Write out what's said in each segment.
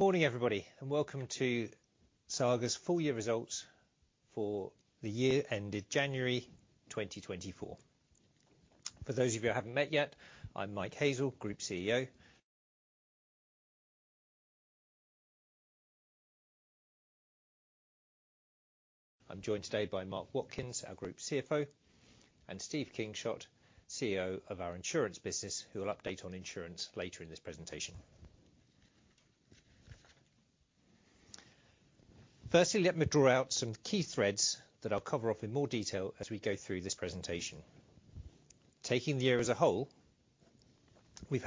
Morning everybody, and welcome to Saga's full year results for the year ended January 2024. For those of you who haven't met yet, I'm Mike Hazell, Group CEO. I'm joined today by Mark Watkins, our Group CFO, and Stephen Kingshott, CEO of our insurance business, who will update on insurance later in this presentation. Firstly, let me draw out some key threads that I'll cover off in more detail as we go through this presentation. Taking the year as a whole, we've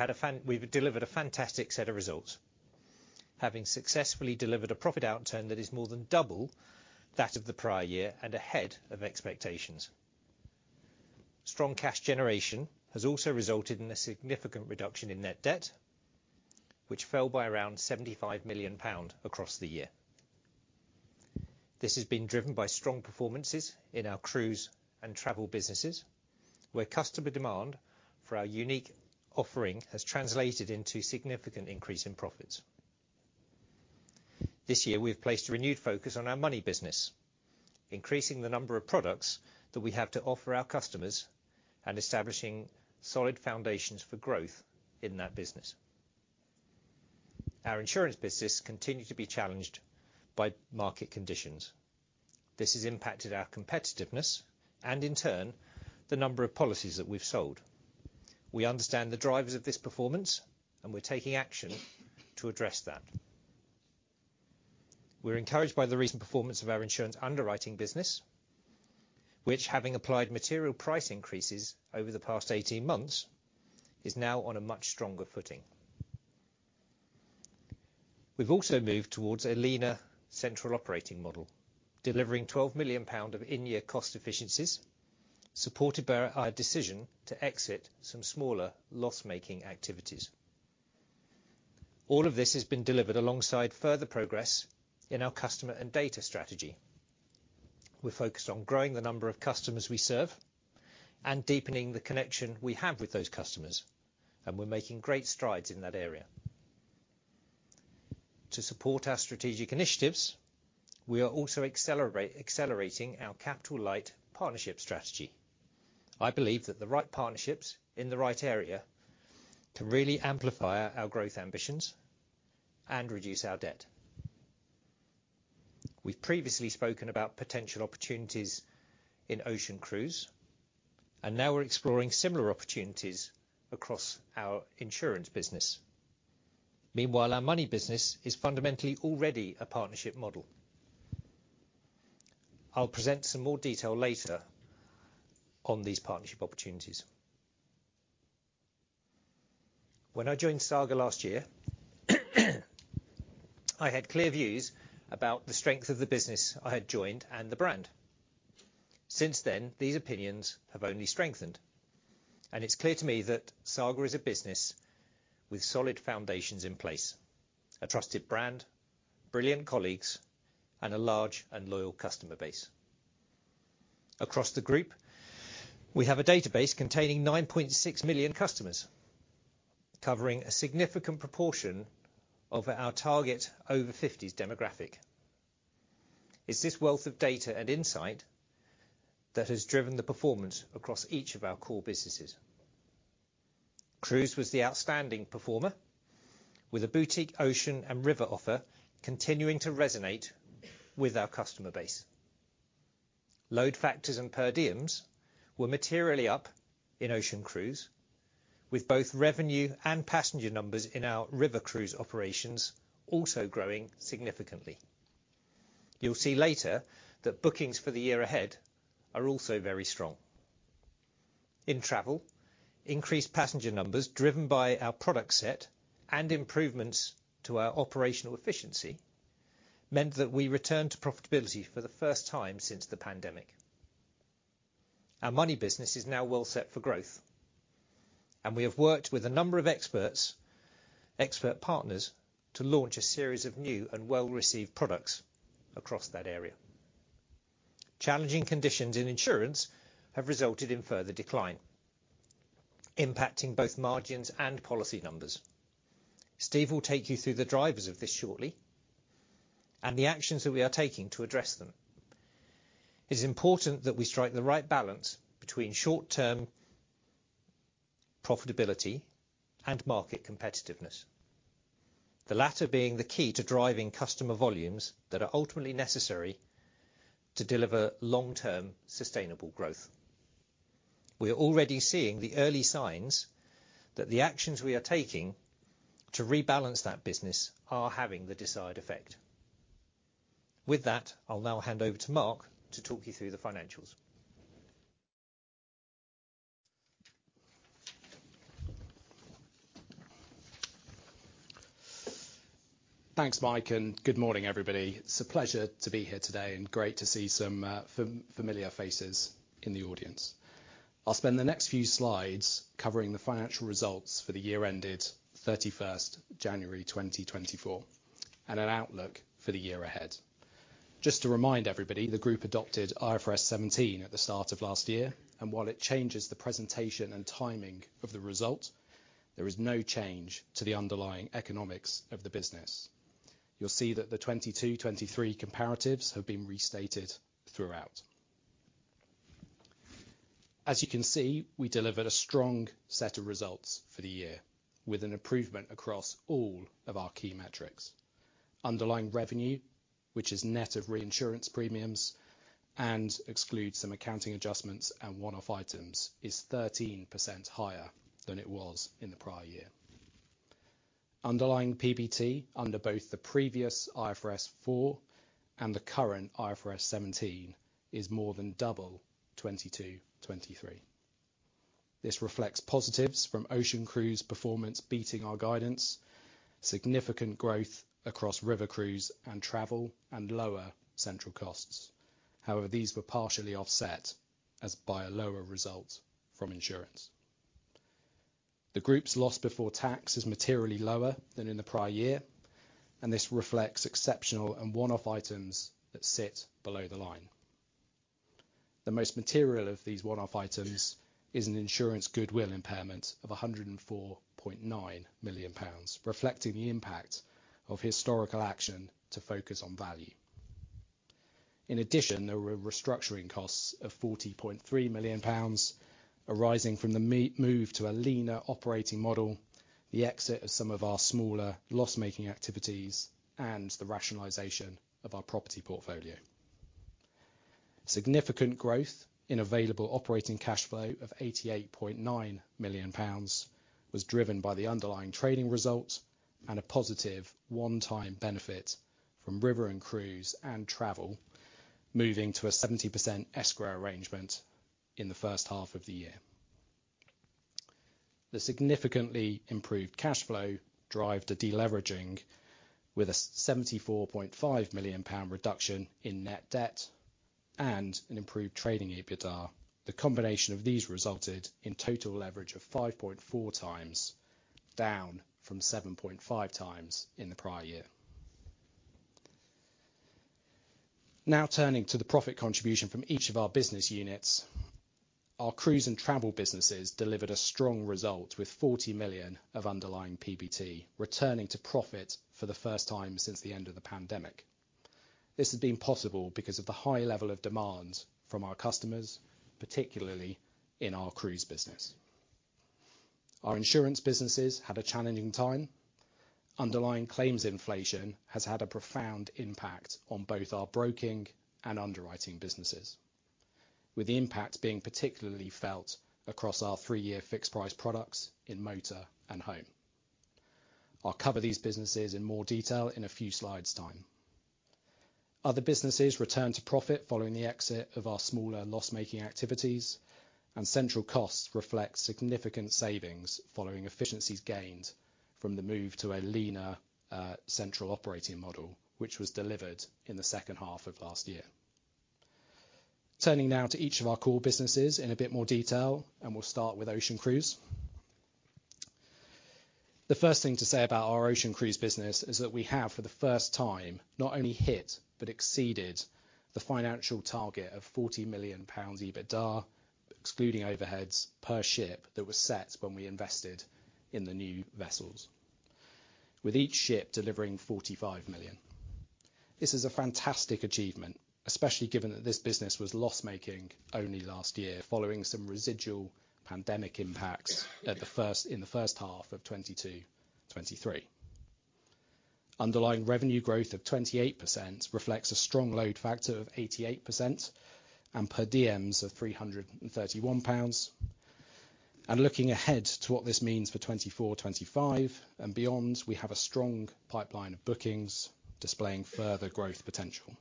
delivered a fantastic set of results, having successfully delivered a profit outturn that is more than double that of the prior year and ahead of expectations. Strong cash generation has also resulted in a significant reduction in net debt, which fell by around 75 million pound across the year. This has been driven by strong performances in our cruise and travel businesses, where customer demand for our unique offering has translated into a significant increase in profits. This year, we've placed a renewed focus on our money business, increasing the number of products that we have to offer our customers and establishing solid foundations for growth in that business. Our insurance business continues to be challenged by market conditions. This has impacted our competitiveness and, in turn, the number of policies that we've sold. We understand the drivers of this performance, and we're taking action to address that. We're encouraged by the recent performance of our insurance underwriting business, which, having applied material price increases over the past 18 months, is now on a much stronger footing. We've also moved towards a leaner central operating model, delivering 12 million pound of in-year cost efficiencies supported by our decision to exit some smaller loss-making activities. All of this has been delivered alongside further progress in our customer and data strategy. We're focused on growing the number of customers we serve and deepening the connection we have with those customers, and we're making great strides in that area. To support our strategic initiatives, we are also accelerating our capital light partnership strategy. I believe that the right partnerships in the right area can really amplify our growth ambitions and reduce our debt. We've previously spoken about potential opportunities in ocean cruise, and now we're exploring similar opportunities across our insurance business. Meanwhile, our money business is fundamentally already a partnership model. I'll present some more detail later on these partnership opportunities. When I joined Saga last year, I had clear views about the strength of the business I had joined and the brand. Since then, these opinions have only strengthened, and it's clear to me that Saga is a business with solid foundations in place, a trusted brand, brilliant colleagues, and a large and loyal customer base. Across the group, we have a database containing 9.6 million customers, covering a significant proportion of our target over-50s demographic. It's this wealth of data and insight that has driven the performance across each of our core businesses. Cruise was the outstanding performer, with a boutique ocean and river offer continuing to resonate with our customer base. Load factors and per diems were materially up in ocean cruise, with both revenue and passenger numbers in our river cruise operations also growing significantly. You'll see later that bookings for the year ahead are also very strong. In travel, increased passenger numbers driven by our product set and improvements to our operational efficiency meant that we returned to profitability for the first time since the pandemic. Our money business is now well set for growth, and we have worked with a number of experts and partners to launch a series of new and well-received products across that area. Challenging conditions in insurance have resulted in further decline, impacting both margins and policy numbers. Steve will take you through the drivers of this shortly and the actions that we are taking to address them. It is important that we strike the right balance between short-term profitability and market competitiveness, the latter being the key to driving customer volumes that are ultimately necessary to deliver long-term sustainable growth. We are already seeing the early signs that the actions we are taking to rebalance that business are having the desired effect. With that, I'll now hand over to Mark to talk you through the financials. Thanks, Mike, and good morning everybody. It's a pleasure to be here today and great to see some familiar faces in the audience. I'll spend the next few slides covering the financial results for the year ended 31st January 2024 and an outlook for the year ahead. Just to remind everybody, the group adopted IFRS 17 at the start of last year, and while it changes the presentation and timing of the result, there is no change to the underlying economics of the business. You'll see that the 2022/2023 comparatives have been restated throughout. As you can see, we delivered a strong set of results for the year, with an improvement across all of our key metrics. Underlying revenue, which is net of reinsurance premiums and excludes some accounting adjustments and one-off items, is 13% higher than it was in the prior year. Underlying PBT under both the previous IFRS 4 and the current IFRS 17 is more than double 2022/2023. This reflects positives from ocean cruise performance beating our guidance, significant growth across river cruise and travel, and lower central costs. However, these were partially offset by a lower result from insurance. The group's loss before tax is materially lower than in the prior year, and this reflects exceptional and one-off items that sit below the line. The most material of these one-off items is an insurance goodwill impairment of 104.9 million pounds, reflecting the impact of historical action to focus on value. In addition, there were restructuring costs of 40.3 million pounds arising from the move to a leaner operating model, the exit of some of our smaller loss-making activities, and the rationalization of our property portfolio. Significant growth in available operating cash flow of 88.9 million pounds was driven by the underlying trading result and a positive one-time benefit from river and cruise and travel moving to a 70% CAA arrangement in the first half of the year. The significantly improved cash flow drove a deleveraging with a 74.5 million pound reduction in net debt and an improved trading EBITDA. The combination of these resulted in total leverage of 5.4x down from 7.5x in the prior year. Now turning to the profit contribution from each of our business units, our cruise and travel businesses delivered a strong result with 40 million of underlying PBT returning to profit for the first time since the end of the pandemic. This has been possible because of the high level of demand from our customers, particularly in our cruise business. Our insurance businesses had a challenging time. Underlying claims inflation has had a profound impact on both our broking and underwriting businesses, with the impact being particularly felt across our three-year fixed-price products in Motor and home. I'll cover these businesses in more detail in a few slides' time. Other businesses returned to profit following the exit of our smaller loss-making activities, and central costs reflect significant savings following efficiencies gained from the move to a leaner central operating model, which was delivered in the second half of last year. Turning now to each of our core businesses in a bit more detail, and we'll start with ocean cruise. The first thing to say about our ocean cruise business is that we have, for the first time, not only hit but exceeded the financial target of 40 million pounds EBITDA, excluding overheads per ship that was set when we invested in the new vessels, with each ship delivering 45 million. This is a fantastic achievement, especially given that this business was loss-making only last year following some residual pandemic impacts in the first half of 2022/23. Underlying revenue growth of 28% reflects a strong load factor of 88% and per diems of 331 pounds. And looking ahead to what this means for 2024/25 and beyond, we have a strong pipeline of bookings displaying further growth potential.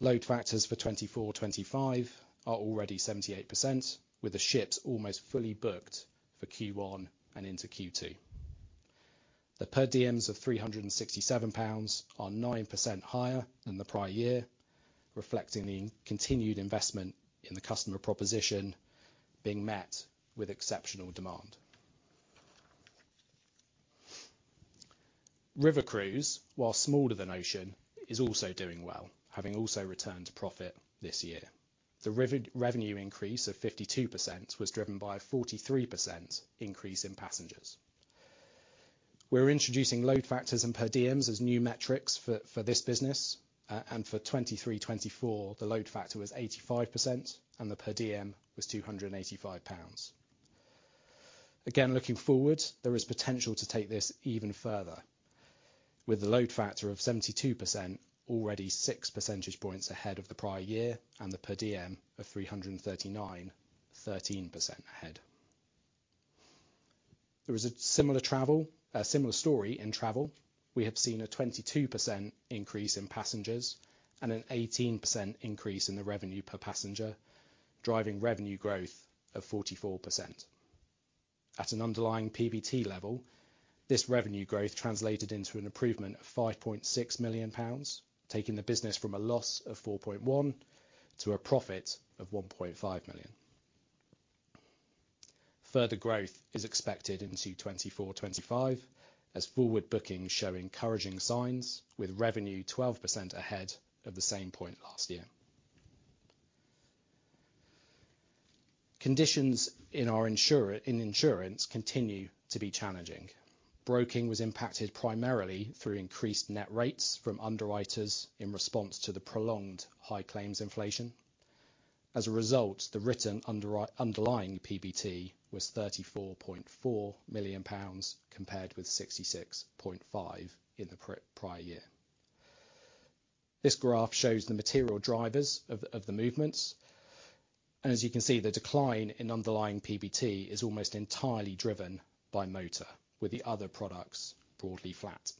Load factors for 2024/25 are already 78%, with the ships almost fully booked for Q1 and into Q2. The per diems of 367 pounds are 9% higher than the prior year, reflecting the continued investment in the customer proposition being met with exceptional demand. River cruise, while smaller than ocean, is also doing well, having also returned to profit this year. The revenue increase of 52% was driven by a 43% increase in passengers. We're introducing load factors and per diems as new metrics for this business, and for 2023/24, the load factor was 85% and the per diem was 285 pounds. Again, looking forward, there is potential to take this even further, with the load factor of 72% already 6 percentage points ahead of the prior year and the per diem of 339, 13% ahead. There is a similar story in travel. We have seen a 22% increase in passengers and an 18% increase in the revenue per passenger, driving revenue growth of 44%. At an underlying PBT level, this revenue growth translated into an improvement of 5.6 million pounds, taking the business from a loss of 4.1 million to a profit of 1.5 million. Further growth is expected into 2024/25, as forward bookings show encouraging signs, with revenue 12% ahead of the same point last year. Conditions in insurance continue to be challenging. Broking was impacted primarily through increased net rates from underwriters in response to the prolonged high claims inflation. As a result, the written underlying PBT was 34.4 million pounds compared with 66.5 million in the prior year. This graph shows the material drivers of the movements, and as you can see, the decline in underlying PBT is almost entirely driven by motor, with the other products broadly flat.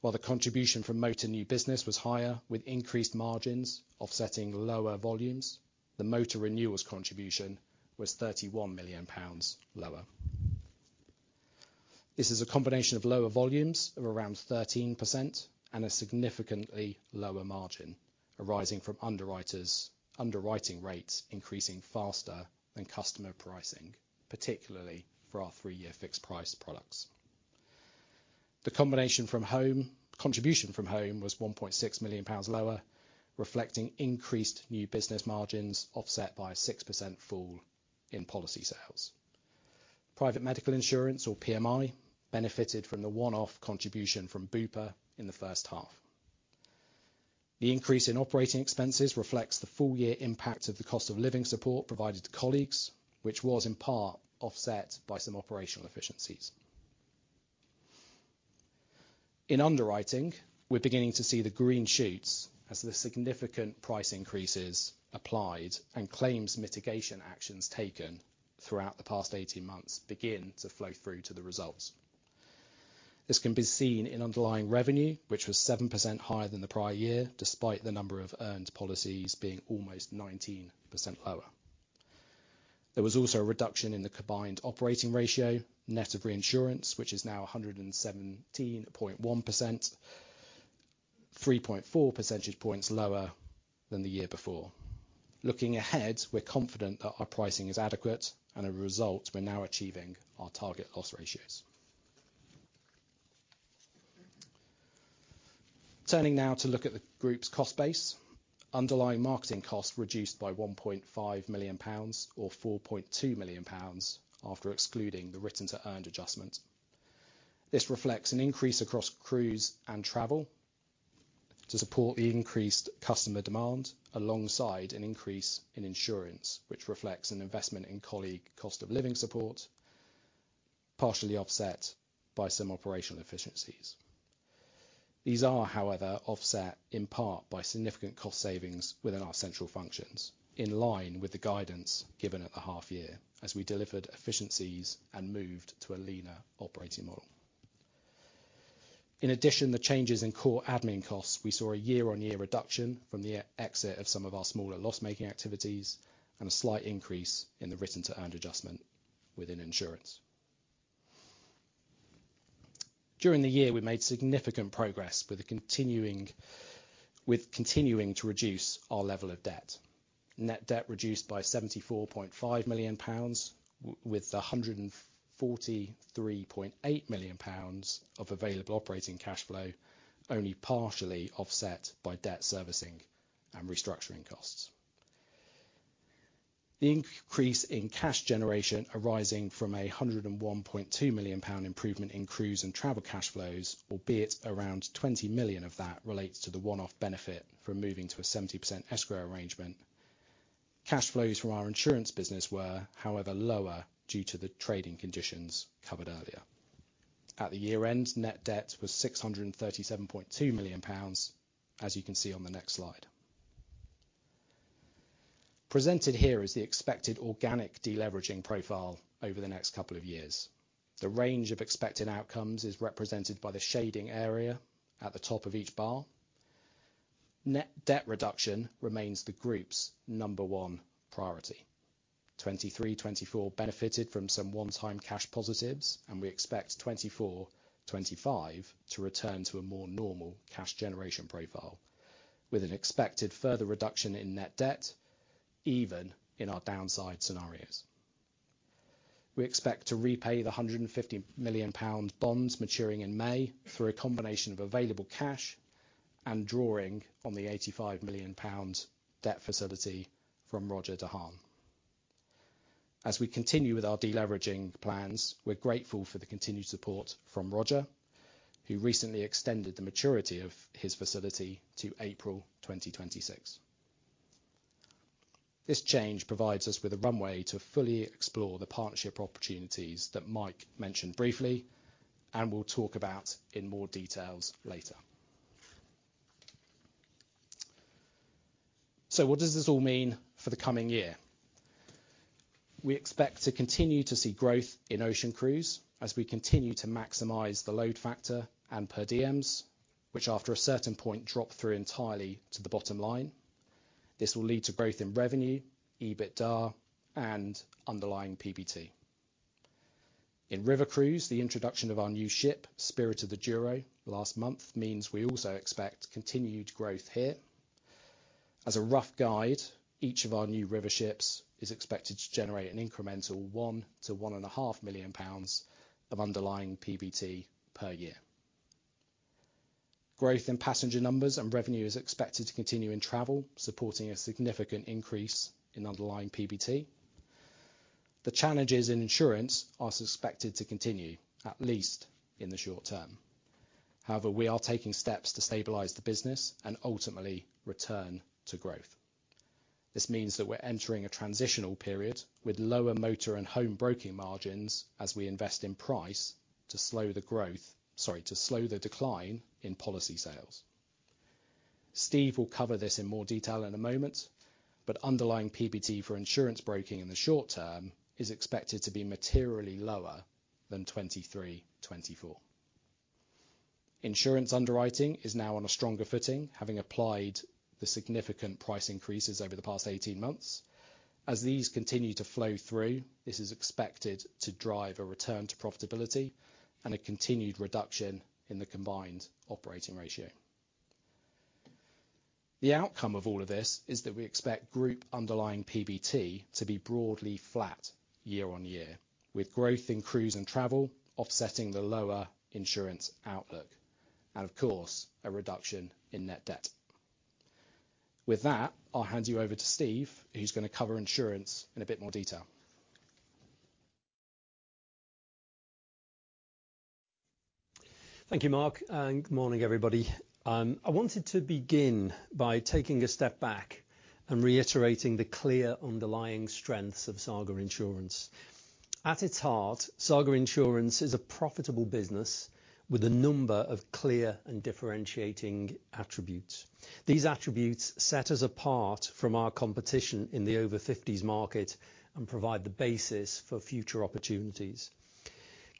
While the contribution from motor new business was higher, with increased margins offsetting lower volumes, the motor renewals contribution was 31 million pounds lower. This is a combination of lower volumes of around 13% and a significantly lower margin arising from underwriting rates increasing faster than customer pricing, particularly for our three-year fixed-price products. The contribution from home was 1.6 million pounds lower, reflecting increased new business margins offset by a 6% fall in policy sales. Private medical insurance, or PMI, benefited from the one-off contribution from Bupa in the first half. The increase in operating expenses reflects the full-year impact of the cost of living support provided to colleagues, which was in part offset by some operational efficiencies. In underwriting, we're beginning to see the green shoots as the significant price increases applied and claims mitigation actions taken throughout the past 18 months begin to flow through to the results. This can be seen in underlying revenue, which was 7% higher than the prior year despite the number of earned policies being almost 19% lower. There was also a reduction in the Combined Operating Ratio, net of reinsurance, which is now 117.1%, 3.4 percentage points lower than the year before. Looking ahead, we're confident that our pricing is adequate, and as a result, we're now achieving our target loss ratios. Turning now to look at the group's cost base, underlying marketing costs reduced by 1.5 million pounds or 4.2 million pounds after excluding the written-to-earned adjustment. This reflects an increase across cruise and travel to support the increased customer demand alongside an increase in insurance, which reflects an investment in colleague cost of living support partially offset by some operational efficiencies. These are, however, offset in part by significant cost savings within our central functions, in line with the guidance given at the half-year as we delivered efficiencies and moved to a leaner operating model. In addition, the changes in core admin costs, we saw a year-on-year reduction from the exit of some of our smaller loss-making activities and a slight increase in the written-to-earned adjustment within insurance. During the year, we made significant progress with continuing to reduce our level of debt, net debt reduced by 74.5 million pounds, with 143.8 million pounds of available operating cash flow only partially offset by debt servicing and restructuring costs. The increase in cash generation arising from a 101.2 million pound improvement in cruise and travel cash flows, albeit around 20 million of that relates to the one-off benefit from moving to a 70% CAA arrangement. Cash flows from our insurance business were, however, lower due to the trading conditions covered earlier. At the year-end, net debt was 637.2 million pounds, as you can see on the next slide. Presented here is the expected organic deleveraging profile over the next couple of years. The range of expected outcomes is represented by the shading area at the top of each bar. Net debt reduction remains the group's number one priority. 2023/24 benefited from some one-time cash positives, and we expect 2024/25 to return to a more normal cash generation profile with an expected further reduction in net debt even in our downside scenarios. We expect to repay the 150 million pounds bonds maturing in May through a combination of available cash and drawing on the 85 million pounds debt facility from Roger De Haan. As we continue with our deleveraging plans, we're grateful for the continued support from Roger, who recently extended the maturity of his facility to April 2026. This change provides us with a runway to fully explore the partnership opportunities that Mike mentioned briefly and will talk about in more details later. So what does this all mean for the coming year? We expect to continue to see growth in ocean cruise as we continue to maximize the load factor and per diems, which after a certain point drop through entirely to the bottom line. This will lead to growth in revenue, EBITDA, and underlying PBT. In river cruise, the introduction of our new ship, Spirit of the Douro, last month means we also expect continued growth here. As a rough guide, each of our new river ships is expected to generate an incremental 1 million-1.5 million pounds of underlying PBT per year. Growth in passenger numbers and revenue is expected to continue in travel, supporting a significant increase in underlying PBT. The challenges in insurance are suspected to continue, at least in the short term. However, we are taking steps to stabilize the business and ultimately return to growth. This means that we're entering a transitional period with lower motor and home broking margins as we invest in price to slow the growth, sorry, to slow the decline in policy sales. Steve will cover this in more detail in a moment, but underlying PBT for insurance broking in the short term is expected to be materially lower than 2023/24. Insurance underwriting is now on a stronger footing, having applied the significant price increases over the past 18 months. As these continue to flow through, this is expected to drive a return to profitability and a continued reduction in the combined operating ratio. The outcome of all of this is that we expect group underlying PBT to be broadly flat year-over-year, with growth in cruise and travel offsetting the lower insurance outlook and, of course, a reduction in net debt. With that, I'll hand you over to Steve, who's going to cover insurance in a bit more detail. Thank you, Mark, and good morning, everybody. I wanted to begin by taking a step back and reiterating the clear underlying strengths of Saga Insurance. At its heart, Saga Insurance is a profitable business with a number of clear and differentiating attributes. These attributes set us apart from our competition in the over-50s market and provide the basis for future opportunities.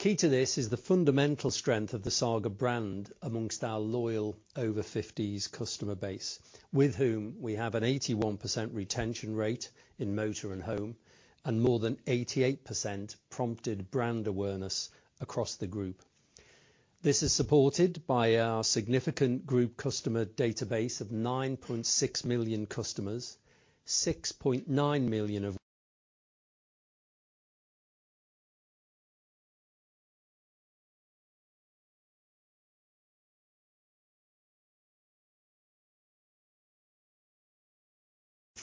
Key to this is the fundamental strength of the Saga brand among our loyal over-50s customer base, with whom we have an 81% retention rate in motor and home and more than 88% prompted brand awareness across the group. This is supported by our significant group customer database of 9.6 million customers, 6.9 million of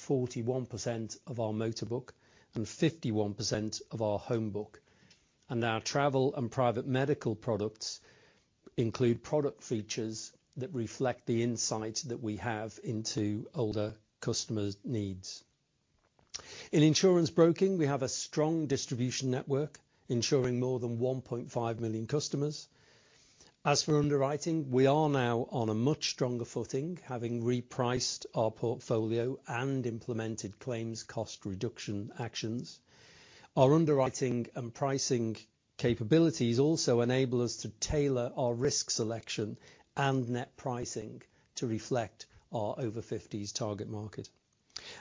41% of our motor book and 51% of our home book. Our travel and private medical products include product features that reflect the insight that we have into older customers' needs. In insurance broking, we have a strong distribution network ensuring more than 1.5 million customers. As for underwriting, we are now on a much stronger footing, having repriced our portfolio and implemented claims cost reduction actions. Our underwriting and pricing capabilities also enable us to tailor our risk selection and net pricing to reflect our over-50s target market.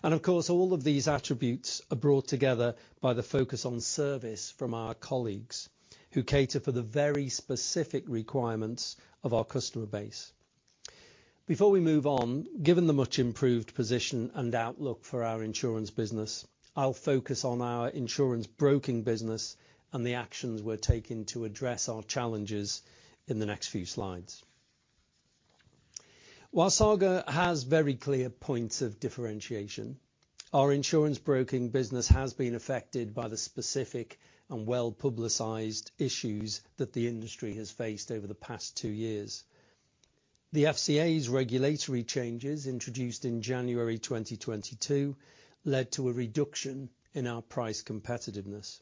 And of course, all of these attributes are brought together by the focus on service from our colleagues, who cater for the very specific requirements of our customer base. Before we move on, given the much improved position and outlook for our insurance business, I'll focus on our insurance broking business and the actions we're taking to address our challenges in the next few slides. While Saga has very clear points of differentiation, our insurance broking business has been affected by the specific and well-publicized issues that the industry has faced over the past two years. The FCA's regulatory changes introduced in January 2022 led to a reduction in our price competitiveness.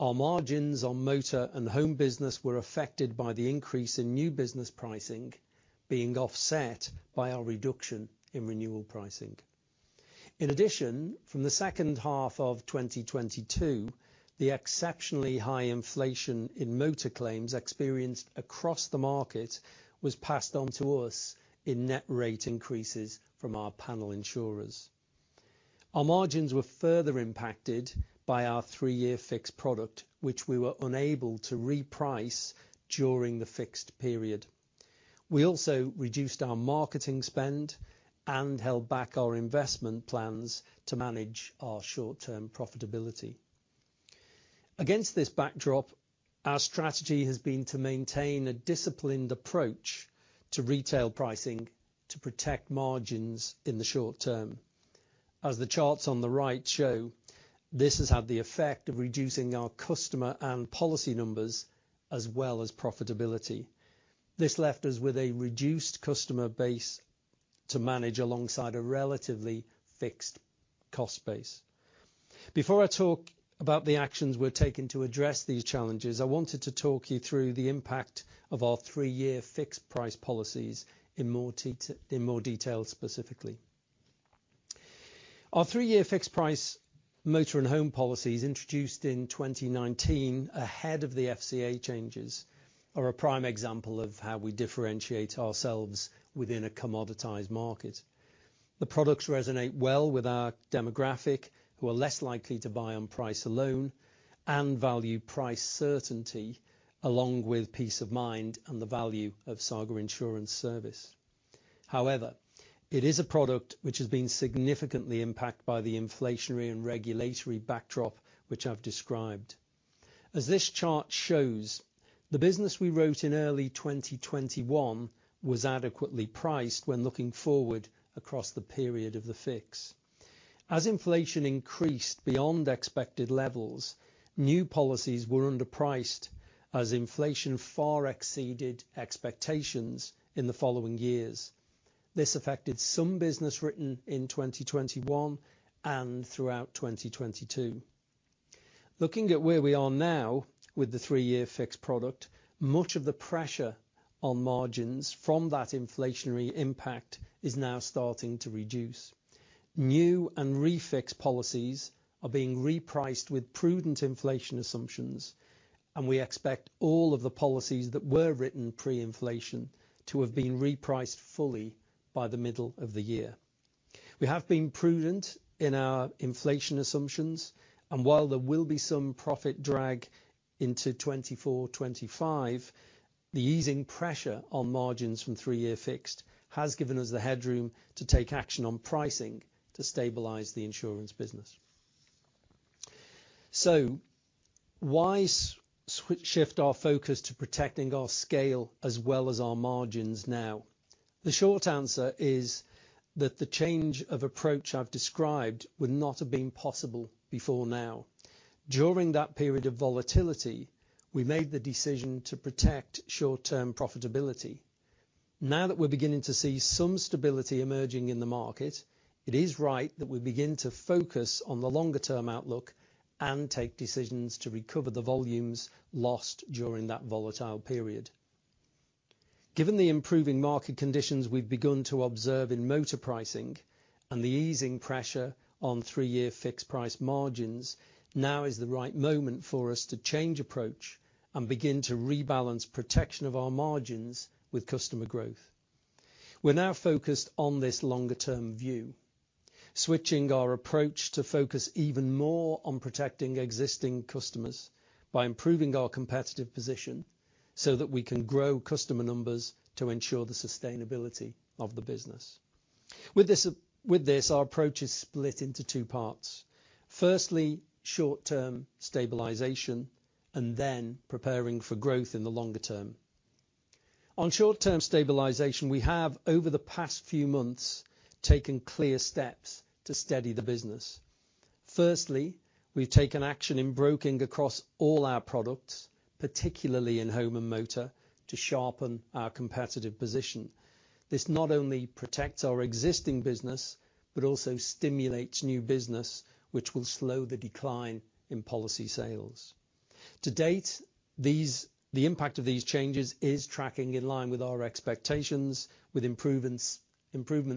Our margins on motor and home business were affected by the increase in new business pricing, being offset by our reduction in renewal pricing. In addition, from the second half of 2022, the exceptionally high inflation in motor claims experienced across the market was passed on to us in net rate increases from our panel insurers. Our margins were further impacted by our three-year fixed product, which we were unable to reprice during the fixed period. We also reduced our marketing spend and held back our investment plans to manage our short-term profitability. Against this backdrop, our strategy has been to maintain a disciplined approach to retail pricing to protect margins in the short term. As the charts on the right show, this has had the effect of reducing our customer and policy numbers as well as profitability. This left us with a reduced customer base to manage alongside a relatively fixed cost base. Before I talk about the actions we're taking to address these challenges, I wanted to talk you through the impact of our three-year fixed price policies in more detail, specifically. Our three-year fixed price motor and home policies, introduced in 2019 ahead of the FCA changes, are a prime example of how we differentiate ourselves within a commoditized market. The products resonate well with our demographic, who are less likely to buy on price alone, and value price certainty along with peace of mind and the value of Saga Insurance service. However, it is a product which has been significantly impacted by the inflationary and regulatory backdrop which I've described. As this chart shows, the business we wrote in early 2021 was adequately priced when looking forward across the period of the fix. As inflation increased beyond expected levels, new policies were underpriced as inflation far exceeded expectations in the following years. This affected some business written in 2021 and throughout 2022. Looking at where we are now with the three-year fixed product, much of the pressure on margins from that inflationary impact is now starting to reduce. New and refixed policies are being repriced with prudent inflation assumptions, and we expect all of the policies that were written pre-inflation to have been repriced fully by the middle of the year. We have been prudent in our inflation assumptions, and while there will be some profit drag into 2024/2025, the easing pressure on margins from three-year fixed has given us the headroom to take action on pricing to stabilize the insurance business. So why shift our focus to protecting our scale as well as our margins now? The short answer is that the change of approach I've described would not have been possible before now. During that period of volatility, we made the decision to protect short-term profitability. Now that we're beginning to see some stability emerging in the market, it is right that we begin to focus on the longer-term outlook and take decisions to recover the volumes lost during that volatile period. Given the improving market conditions we've begun to observe in motor pricing and the easing pressure on three-year fixed price margins, now is the right moment for us to change approach and begin to rebalance protection of our margins with customer growth. We're now focused on this longer-term view, switching our approach to focus even more on protecting existing customers by improving our competitive position so that we can grow customer numbers to ensure the sustainability of the business. With this, our approach is split into two parts. Firstly, short-term stabilization, and then preparing for growth in the longer term. On short-term stabilisation, we have, over the past few months, taken clear steps to steady the business. Firstly, we've taken action in broking across all our products, particularly in home and motor, to sharpen our competitive position. This not only protects our existing business but also stimulates new business, which will slow the decline in policy sales. To date, the impact of these changes is tracking in line with our expectations, with improvements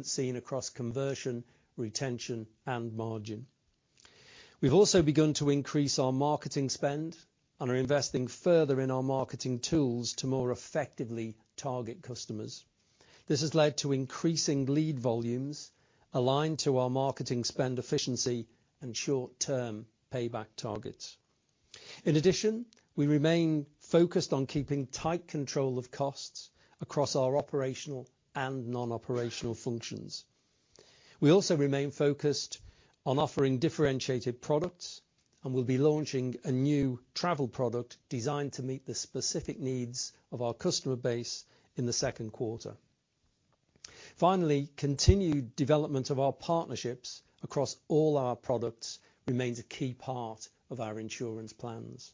seen across conversion, retention, and margin. We've also begun to increase our marketing spend and are investing further in our marketing tools to more effectively target customers. This has led to increasing lead volumes aligned to our marketing spend efficiency and short-term payback targets. In addition, we remain focused on keeping tight control of costs across our operational and non-operational functions. We also remain focused on offering differentiated products and will be launching a new travel product designed to meet the specific needs of our customer base in the second quarter. Finally, continued development of our partnerships across all our products remains a key part of our insurance plans.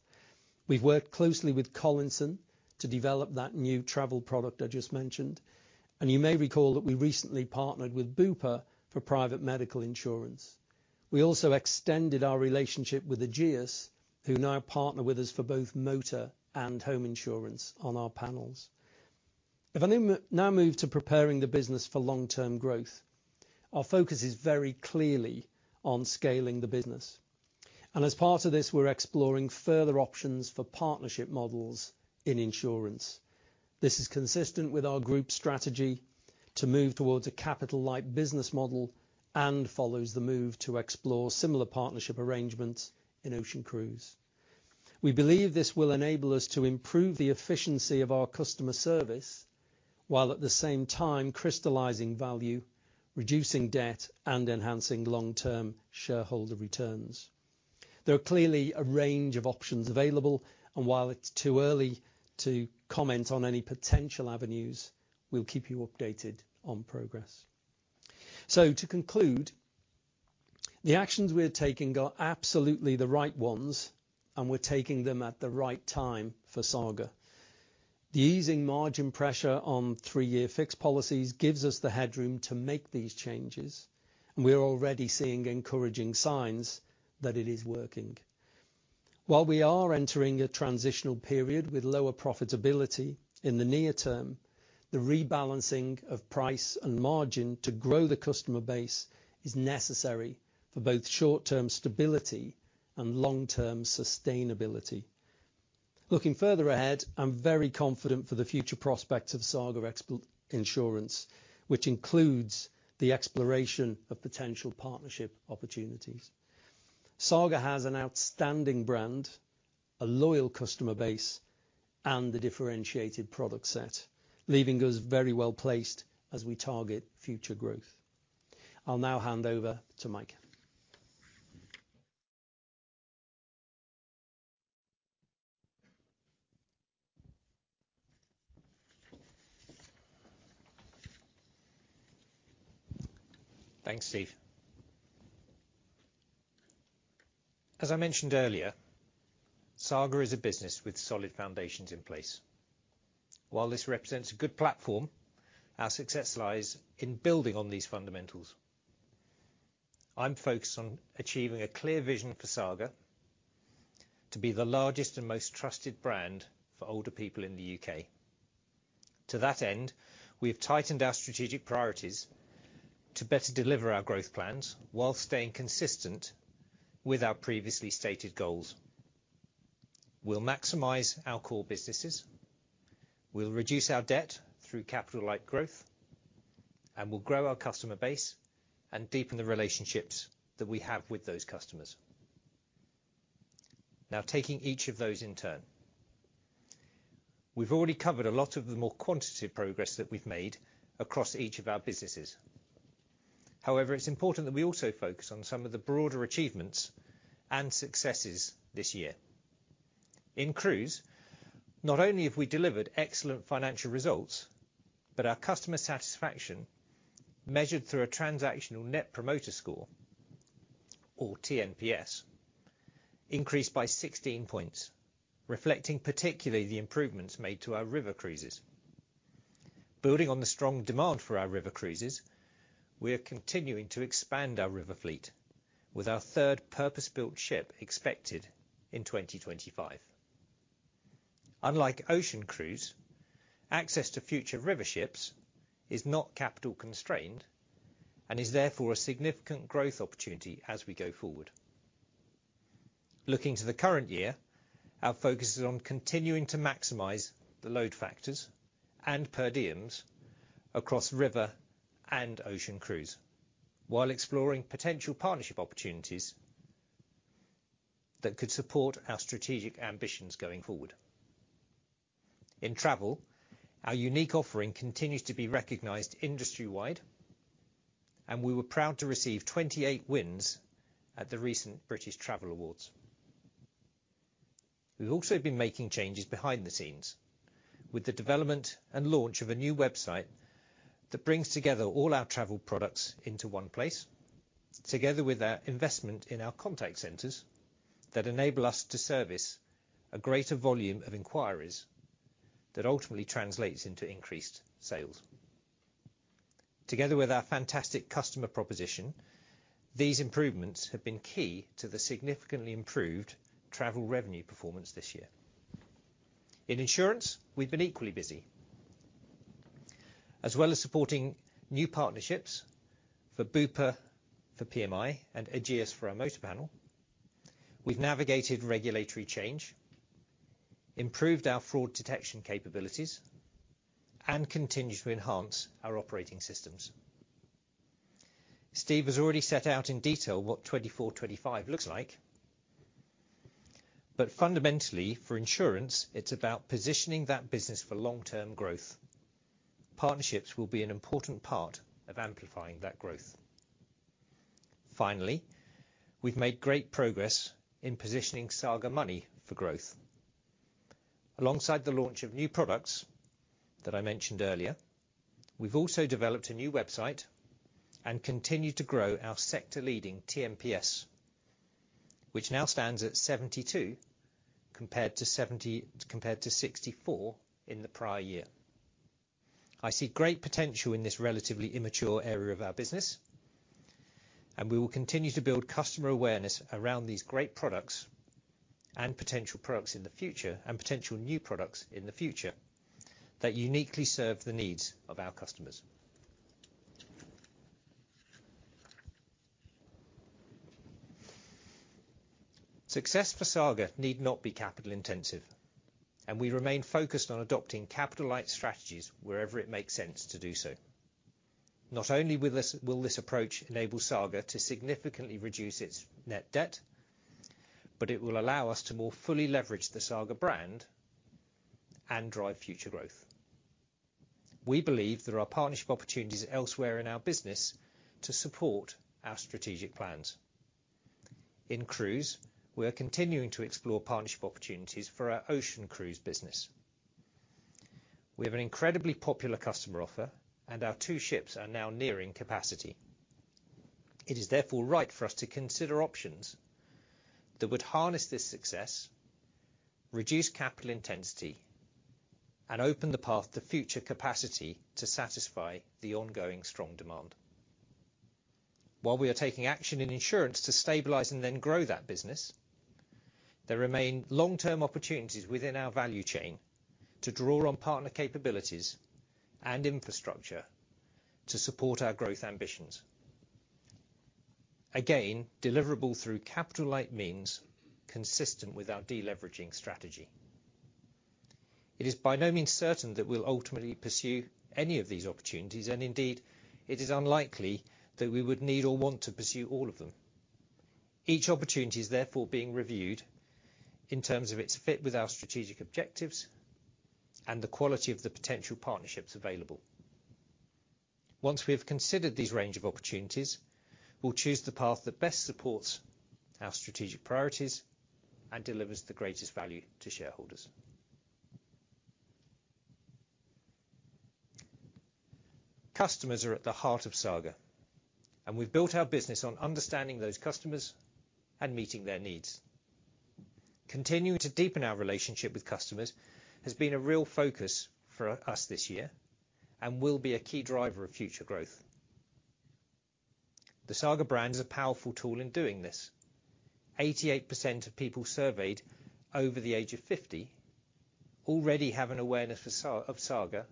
We've worked closely with Collinson to develop that new travel product I just mentioned, and you may recall that we recently partnered with Bupa for private medical insurance. We also extended our relationship with Ageas, who now partner with us for both motor and home insurance on our panels. If I now move to preparing the business for long-term growth, our focus is very clearly on scaling the business. As part of this, we're exploring further options for partnership models in insurance. This is consistent with our group strategy to move towards a capital-like business model and follows the move to explore similar partnership arrangements in Ocean Cruise. We believe this will enable us to improve the efficiency of our customer service while at the same time crystallizing value, reducing debt, and enhancing long-term shareholder returns. There are clearly a range of options available, and while it's too early to comment on any potential avenues, we'll keep you updated on progress. So to conclude, the actions we're taking are absolutely the right ones, and we're taking them at the right time for Saga. The easing margin pressure on three-year fixed policies gives us the headroom to make these changes, and we're already seeing encouraging signs that it is working. While we are entering a transitional period with lower profitability in the near term, the rebalancing of price and margin to grow the customer base is necessary for both short-term stability and long-term sustainability. Looking further ahead, I'm very confident for the future prospects of Saga's expert insurance, which includes the exploration of potential partnership opportunities. Saga has an outstanding brand, a loyal customer base, and a differentiated product set, leaving us very well placed as we target future growth. I'll now hand over to Mike. Thanks, Steve. As I mentioned earlier, Saga is a business with solid foundations in place. While this represents a good platform, our success lies in building on these fundamentals. I'm focused on achieving a clear vision for Saga to be the largest and most trusted brand for older people in the UK. To that end, we have tightened our strategic priorities to better deliver our growth plans while staying consistent with our previously stated goals. We'll maximize our core businesses. We'll reduce our debt through capital-like growth, and we'll grow our customer base and deepen the relationships that we have with those customers. Now, taking each of those in turn, we've already covered a lot of the more quantitative progress that we've made across each of our businesses. However, it's important that we also focus on some of the broader achievements and successes this year. In Cruise, not only have we delivered excellent financial results, but our customer satisfaction, measured through a transactional net promoter score or TNPS, increased by 16 points, reflecting particularly the improvements made to our river cruises. Building on the strong demand for our river cruises, we are continuing to expand our river fleet with our third purpose-built ship expected in 2025. Unlike Ocean Cruise, access to future river ships is not capital-constrained and is therefore a significant growth opportunity as we go forward. Looking to the current year, our focus is on continuing to maximize the load factors and per diems across river and ocean cruise while exploring potential partnership opportunities that could support our strategic ambitions going forward. In travel, our unique offering continues to be recognized industry-wide, and we were proud to receive 28 wins at the recent British Travel Awards. We've also been making changes behind the scenes with the development and launch of a new website that brings together all our travel products into one place, together with our investment in our contact centers that enable us to service a greater volume of inquiries that ultimately translates into increased sales. Together with our fantastic customer proposition, these improvements have been key to the significantly improved travel revenue performance this year. In insurance, we've been equally busy. As well as supporting new partnerships for Bupa for PMI and Ageas for our motor panel, we've navigated regulatory change, improved our fraud detection capabilities, and continued to enhance our operating systems. Steve has already set out in detail what 2024/25 looks like, but fundamentally for insurance, it's about positioning that business for long-term growth. Partnerships will be an important part of amplifying that growth. Finally, we've made great progress in positioning Saga Money for growth. Alongside the launch of new products that I mentioned earlier, we've also developed a new website and continued to grow our sector-leading TNPS, which now stands at 72 compared to 64 in the prior year. I see great potential in this relatively immature area of our business, and we will continue to build customer awareness around these great products and potential products in the future and potential new products in the future that uniquely serve the needs of our customers. Success for Saga need not be capital-intensive, and we remain focused on adopting capital-like strategies wherever it makes sense to do so. Not only will this approach enable Saga to significantly reduce its net debt, but it will allow us to more fully leverage the Saga brand and drive future growth. We believe there are partnership opportunities elsewhere in our business to support our strategic plans. In Cruise, we are continuing to explore partnership opportunities for our ocean cruise business. We have an incredibly popular customer offer, and our two ships are now nearing capacity. It is therefore right for us to consider options that would harness this success, reduce capital intensity, and open the path to future capacity to satisfy the ongoing strong demand. While we are taking action in insurance to stabilize and then grow that business, there remain long-term opportunities within our value chain to draw on partner capabilities and infrastructure to support our growth ambitions, again deliverable through capital-like means consistent with our deleveraging strategy. It is by no means certain that we'll ultimately pursue any of these opportunities, and indeed, it is unlikely that we would need or want to pursue all of them. Each opportunity is therefore being reviewed in terms of its fit with our strategic objectives and the quality of the potential partnerships available. Once we have considered these range of opportunities, we'll choose the path that best supports our strategic priorities and delivers the greatest value to shareholders. Customers are at the heart of Saga, and we've built our business on understanding those customers and meeting their needs. Continuing to deepen our relationship with customers has been a real focus for us this year and will be a key driver of future growth. The Saga brand is a powerful tool in doing this. 88% of people surveyed over the age of 50 already have an awareness of Saga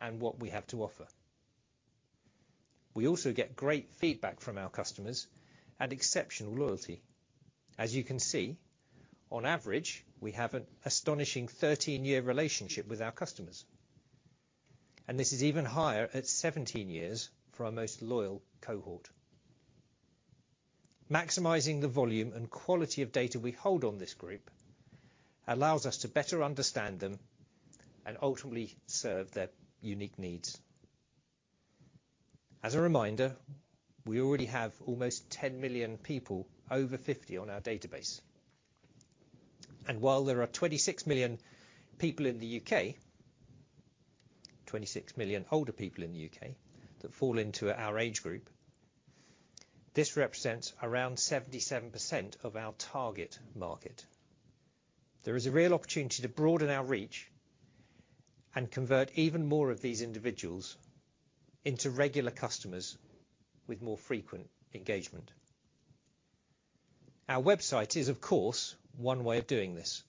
and what we have to offer. We also get great feedback from our customers and exceptional loyalty. As you can see, on average, we have an astonishing 13-year relationship with our customers, and this is even higher at 17 years for our most loyal cohort. Maximizing the volume and quality of data we hold on this group allows us to better understand them and ultimately serve their unique needs. As a reminder, we already have almost 10 million people over 50 on our database. And while there are 26 million people in the U.K., 26 million older people in the U.K. that fall into our age group, this represents around 77% of our target market. There is a real opportunity to broaden our reach and convert even more of these individuals into regular customers with more frequent engagement. Our website is, of course, one way of doing this,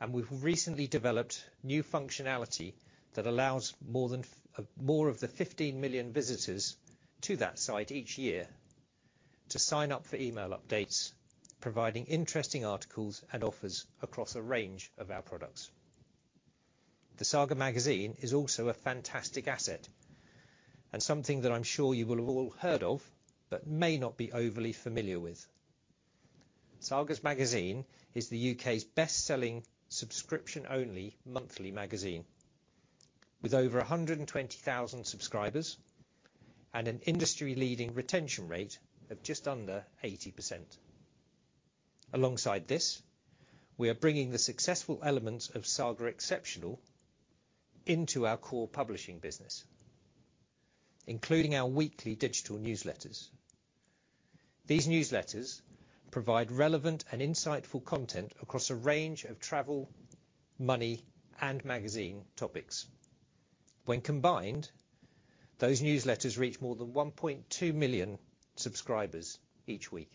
and we've recently developed new functionality that allows more of the 15 million visitors to that site each year to sign up for email updates, providing interesting articles and offers across a range of our products. The Saga Magazine is also a fantastic asset and something that I'm sure you will have all heard of but may not be overly familiar with. Saga's Magazine is the U.K.'s best-selling subscription-only monthly magazine with over 120,000 subscribers and an industry-leading retention rate of just under 80%. Alongside this, we are bringing the successful elements of Saga Exceptional into our core publishing business, including our weekly digital newsletters. These newsletters provide relevant and insightful content across a range of travel, money, and magazine topics. When combined, those newsletters reach more than 1.2 million subscribers each week.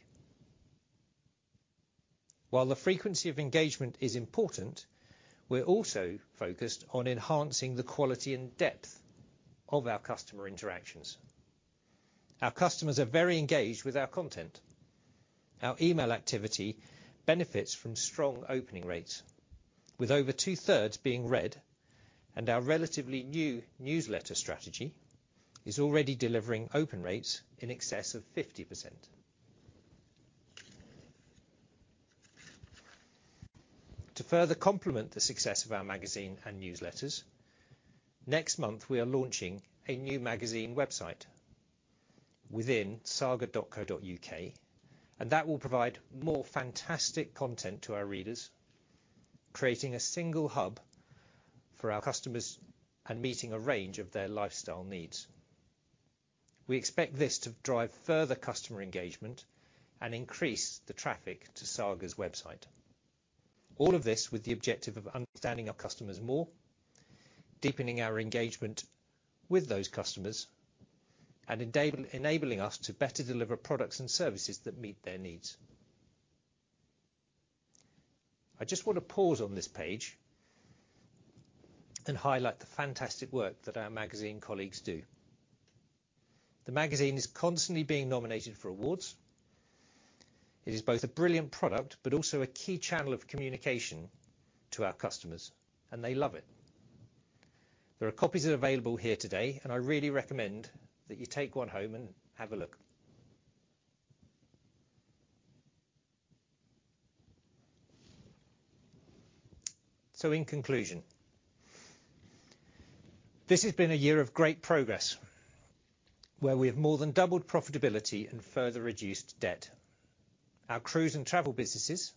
While the frequency of engagement is important, we're also focused on enhancing the quality and depth of our customer interactions. Our customers are very engaged with our content. Our email activity benefits from strong opening rates, with over two-thirds being read, and our relatively new newsletter strategy is already delivering open rates in excess of 50%. To further complement the success of our magazine and newsletters, next month we are launching a new magazine website within Saga.co.uk, and that will provide more fantastic content to our readers, creating a single hub for our customers and meeting a range of their lifestyle needs. We expect this to drive further customer engagement and increase the traffic to Saga's website. All of this with the objective of understanding our customers more, deepening our engagement with those customers, and enabling us to better deliver products and services that meet their needs. I just want to pause on this page and highlight the fantastic work that our magazine colleagues do. The magazine is constantly being nominated for awards. It is both a brilliant product but also a key channel of communication to our customers, and they love it. There are copies available here today, and I really recommend that you take one home and have a look. So in conclusion, this has been a year of great progress where we have more than doubled profitability and further reduced debt. Our cruise and travel businesses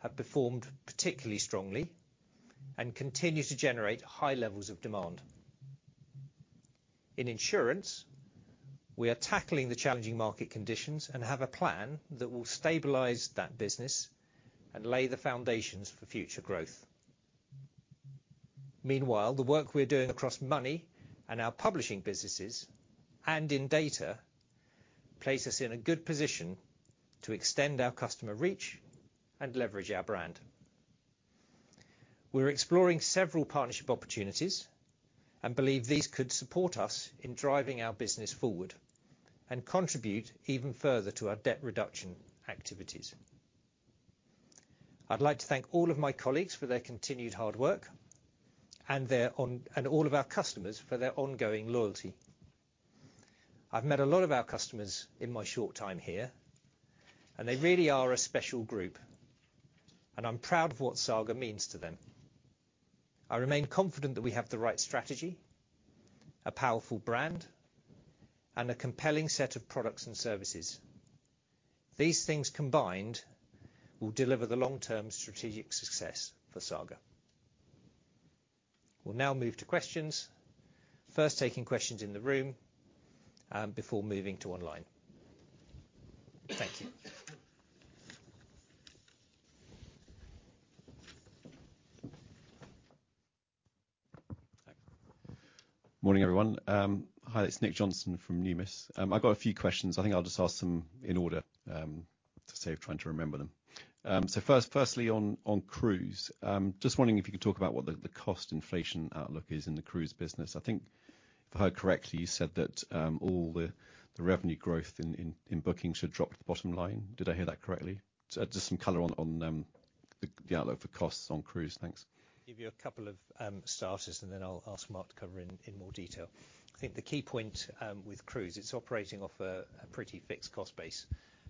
have performed particularly strongly and continue to generate high levels of demand. In insurance, we are tackling the challenging market conditions and have a plan that will stabilize that business and lay the foundations for future growth. Meanwhile, the work we are doing across money and our publishing businesses and in data places us in a good position to extend our customer reach and leverage our brand. We're exploring several partnership opportunities and believe these could support us in driving our business forward and contribute even further to our debt reduction activities. I'd like to thank all of my colleagues for their continued hard work and all of our customers for their ongoing loyalty. I've met a lot of our customers in my short time here, and they really are a special group, and I'm proud of what Saga means to them. I remain confident that we have the right strategy, a powerful brand, and a compelling set of products and services. These things combined will deliver the long-term strategic success for Saga. We'll now move to questions. First, taking questions in the room before moving to online. Thank you. Morning, everyone. Hi, it's Nick Johnson from Numis. I've got a few questions. I think I'll just ask them in order to see if I'm trying to remember them. So firstly, on cruise, just wondering if you could talk about what the cost inflation outlook is in the cruise business. I think, if I heard correctly, you said that all the revenue growth in bookings should drop to the bottom line. Did I hear that correctly? Just some color on the outlook for costs on cruise. Thanks. Give you a couple of starters, and then I'll ask Mark to cover in more detail. I think the key point with cruise, it's operating off a pretty fixed cost base,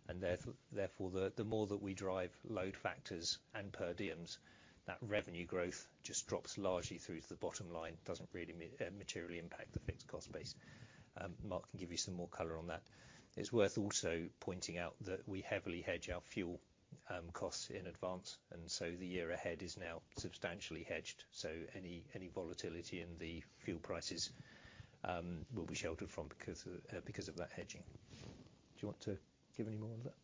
and therefore the more that we drive load factors and per diems, that revenue growth just drops largely through to the bottom line, doesn't really materially impact the fixed cost base. Mark can give you some more color on that. It's worth also pointing out that we heavily hedge our fuel costs in advance, and so the year ahead is now substantially hedged, so any volatility in the fuel prices will be sheltered from because of that hedging. Do you want to give any more on that?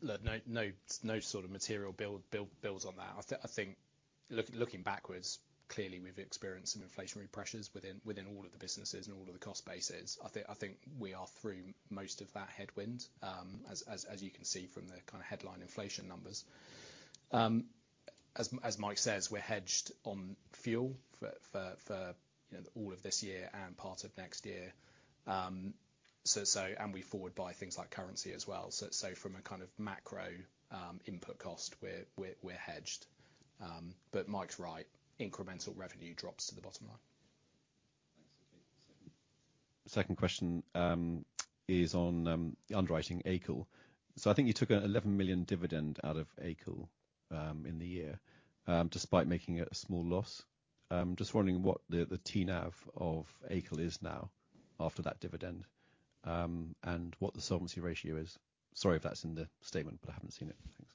Look, no sort of material builds on that. I think looking backwards, clearly we've experienced some inflationary pressures within all of the businesses and all of the cost bases. I think we are through most of that headwind, as you can see from the kind of headline inflation numbers. As Mike says, we're hedged on fuel for all of this year and part of next year, and we forward buy things like currency as well. So from a kind of macro input cost, we're hedged. But Mike's right, incremental revenue drops to the bottom line. Thanks. Okay. Second. Second question is on the underwriting, AICL. So I think you took a 11 million dividend out of AICL in the year despite making a small loss. Just wondering what the TNAV of AICL is now after that dividend and what the solvency ratio is. Sorry if that's in the statement, but I haven't seen it. Thanks.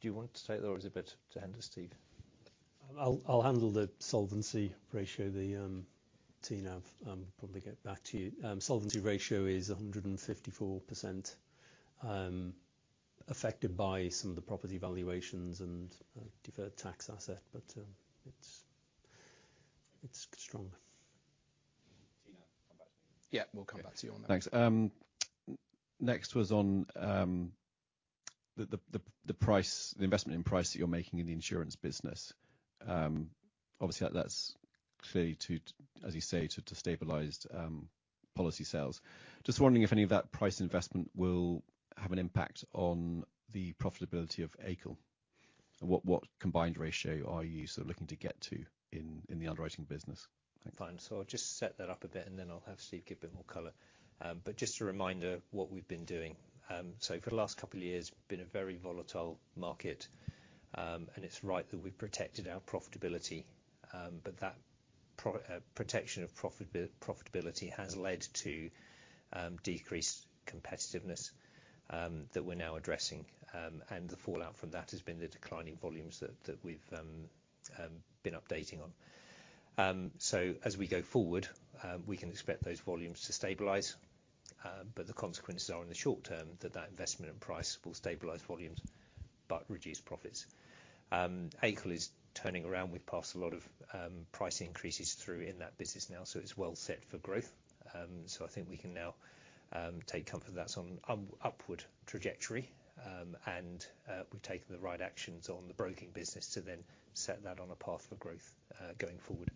Do you want to take the words a bit to hand to Steve? I'll handle the solvency ratio, the TNAV. I'll probably get back to you. Solvency ratio is 154% affected by some of the property valuations and deferred tax asset, but it's strong. TNAV, come back to me. Yeah, we'll come back to you on that. Thanks. Next was on the investment in price that you're making in the insurance business. Obviously, that's clearly, as you say, to stabilize policy sales. Just wondering if any of that price investment will have an impact on the profitability of AICL, and what combined ratio are you sort of looking to get to in the underwriting business? Thanks. Fine. I'll just set that up a bit, and then I'll have Steve give a bit more color. Just a reminder of what we've been doing. For the last couple of years, it's been a very volatile market, and it's right that we've protected our profitability. That protection of profitability has led to decreased competitiveness that we're now addressing, and the fallout from that has been the declining volumes that we've been updating on. As we go forward, we can expect those volumes to stabilize, but the consequences are in the short term that that investment in price will stabilize volumes but reduce profits. AICL is turning around. We've passed a lot of price increases through in that business now, so it's well set for growth. So I think we can now take comfort that's on an upward trajectory, and we've taken the right actions on the broking business to then set that on a path for growth going forward.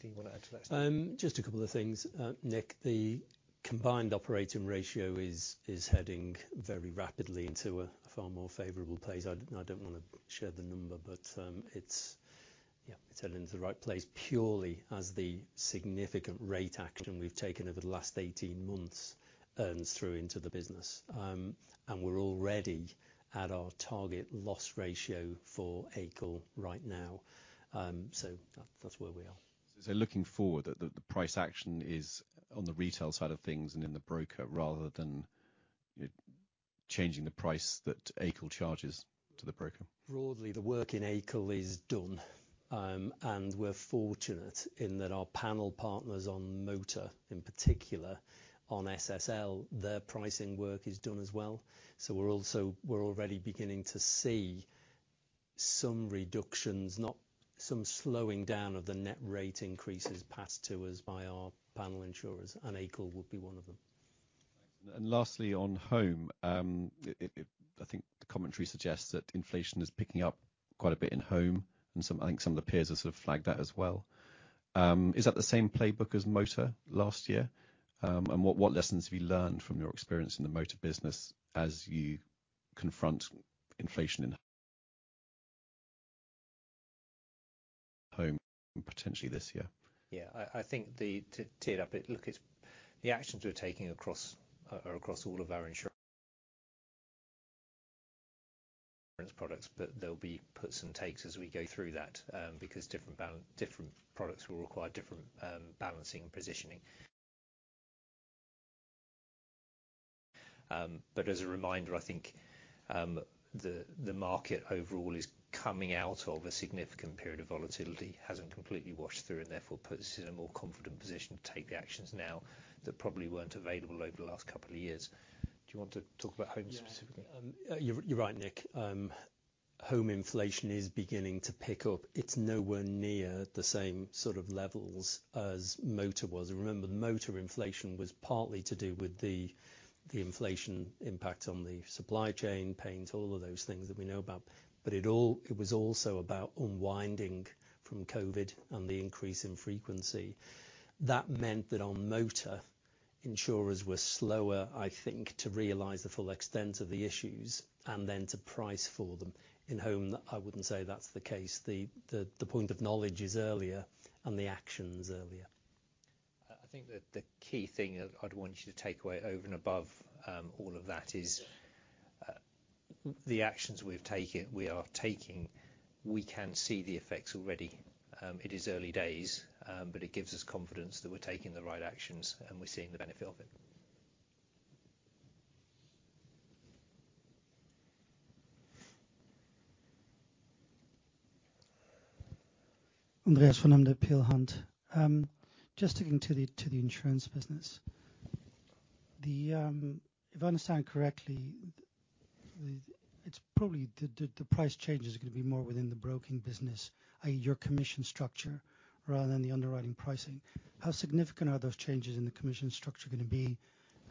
Do you want to add to that? Just a couple of things, Nick. The Combined Operating Ratio is heading very rapidly into a far more favorable place. I don't want to share the number, but yeah, it's heading into the right place purely as the significant rate action we've taken over the last 18 months earns through into the business. And we're already at our target loss ratio for AICL right now, so that's where we are. Looking forward, the price action is on the retail side of things and in the broker rather than changing the price that AICL charges to the broker? Broadly, the work in AICL is done, and we're fortunate in that our panel partners on Motor, in particular on SSL, their pricing work is done as well. So we're already beginning to see some reductions, some slowing down of the net rate increases passed to us by our panel insurers, and AICL would be one of them. Thanks. Lastly, on home, I think the commentary suggests that inflation is picking up quite a bit in home, and I think some of the peers have sort of flagged that as well. Is that the same playbook as Motor last year? And what lessons have you learned from your experience in the Motor business as you confront inflation in home, potentially this year? Yeah. I think, to tear it up, look, the actions we're taking are across all of our insurance products, but there'll be puts and takes as we go through that because different products will require different balancing and positioning. But as a reminder, I think the market overall is coming out of a significant period of volatility, hasn't completely washed through, and therefore puts us in a more confident position to take the actions now that probably weren't available over the last couple of years. Do you want to talk about home specifically? Yeah. You're right, Nick. Home inflation is beginning to pick up. It's nowhere near the same sort of levels as Motor was. Remember, Motor inflation was partly to do with the inflation impact on the supply chain, pains, all of those things that we know about, but it was also about unwinding from COVID and the increase in frequency. That meant that on Motor, insurers were slower, I think, to realize the full extent of the issues and then to price for them. In home, I wouldn't say that's the case. The point of knowledge is earlier and the actions earlier. I think the key thing I'd want you to take away over and above all of that is the actions we are taking, we can see the effects already. It is early days, but it gives us confidence that we're taking the right actions and we're seeing the benefit of it. Andreas van Embden, Peel Hunt, just looking to the insurance business. If I understand correctly, it's probably the price change is going to be more within the broking business, i.e., your commission structure, rather than the underwriting pricing. How significant are those changes in the commission structure going to be,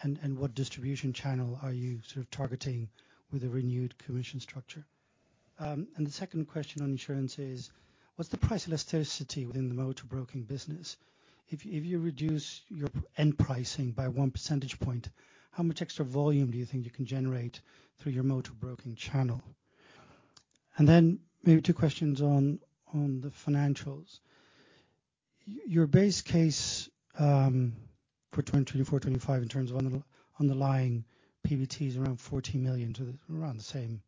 and what distribution channel are you sort of targeting with a renewed commission structure? And the second question on insurance is, what's the price elasticity within the Motor broking business? If you reduce your end pricing by 1 percentage point, how much extra volume do you think you can generate through your Motor broking channel? And then maybe 2 questions on the financials. Your base case for 2024/25, in terms of underlying PBTs, around 14 million, so around the same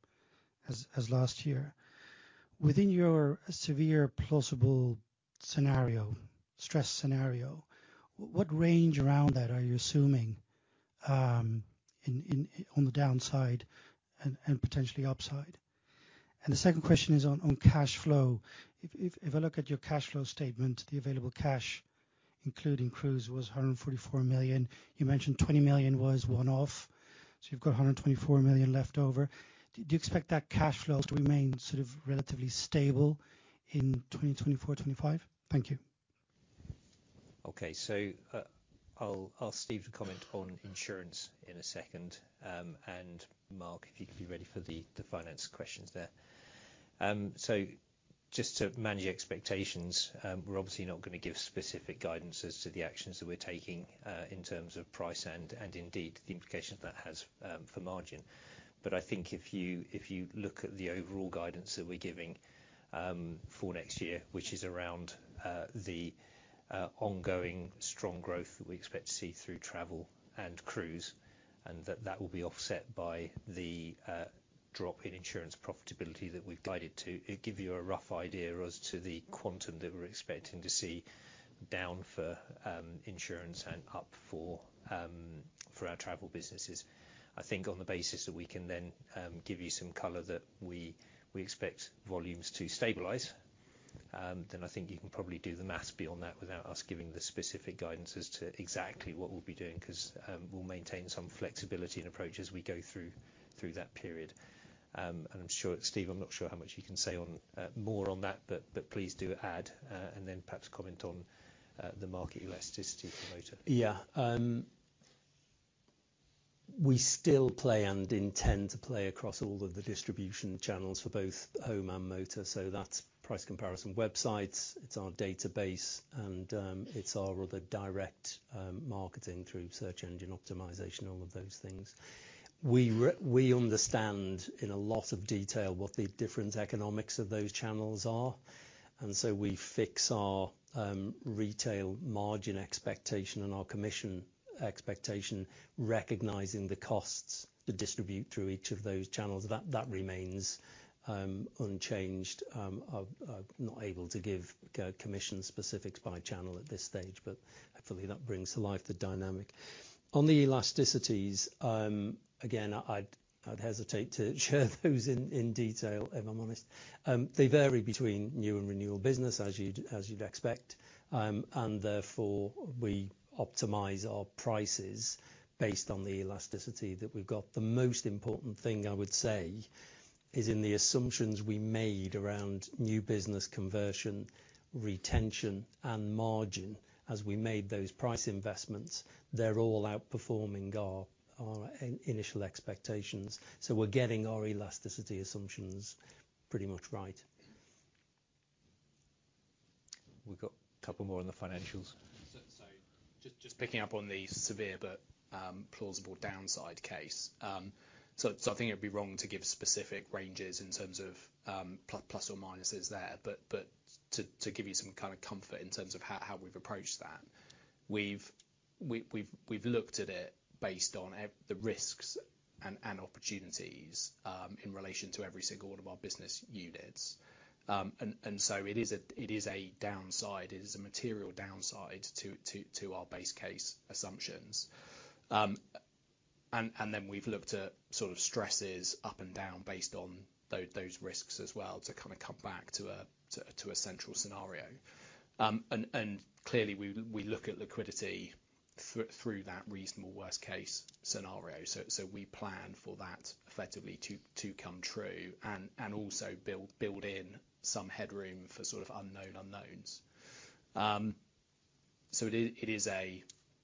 as last year. Within your severe plausible stress scenario, what range around that are you assuming on the downside and potentially upside? The second question is on cash flow. If I look at your cash flow statement, the available cash, including cruise, was 144 million. You mentioned 20 million was one-off, so you've got 124 million left over. Do you expect that cash flow to remain sort of relatively stable in 2024/25? Thank you. Okay. So I'll ask Steve to comment on insurance in a second, and Mark, if you could be ready for the finance questions there. So just to manage expectations, we're obviously not going to give specific guidance as to the actions that we're taking in terms of price and indeed the implications that has for margin. But I think if you look at the overall guidance that we're giving for next year, which is around the ongoing strong growth that we expect to see through travel and cruise, and that that will be offset by the drop in insurance profitability that we've guided to, it'd give you a rough idea as to the quantum that we're expecting to see down for insurance and up for our travel businesses. I think on the basis that we can then give you some color that we expect volumes to stabilize, then I think you can probably do the math beyond that without us giving the specific guidance as to exactly what we'll be doing because we'll maintain some flexibility and approach as we go through that period. I'm sure, Steve, I'm not sure how much you can say more on that, but please do add and then perhaps comment on the market elasticity for Motor. Yeah. We still play and intend to play across all of the distribution channels for both home and motor, so that's price comparison websites. It's our database, and it's our rather direct marketing through search engine optimization, all of those things. We understand in a lot of detail what the different economics of those channels are, and so we fix our retail margin expectation and our commission expectation, recognizing the costs to distribute through each of those channels. That remains unchanged. I'm not able to give commission specifics by channel at this stage, but hopefully, that brings to life the dynamic. On the elasticities, again, I'd hesitate to share those in detail, if I'm honest. They vary between new and renewal business, as you'd expect, and therefore, we optimize our prices based on the elasticity that we've got. The most important thing, I would say, is in the assumptions we made around new business conversion, retention, and margin. As we made those price investments, they're all outperforming our initial expectations. So we're getting our elasticity assumptions pretty much right. We've got a couple more on the financials. So just picking up on the severe but plausible downside case. So I think it'd be wrong to give specific ranges in terms of plus or minuses there, but to give you some kind of comfort in terms of how we've approached that, we've looked at it based on the risks and opportunities in relation to every single one of our business units. And so it is a downside. It is a material downside to our base case assumptions. And then we've looked at sort of stresses up and down based on those risks as well to kind of come back to a central scenario. And clearly, we look at liquidity through that reasonable worst-case scenario. So we plan for that effectively to come true and also build in some headroom for sort of unknown unknowns.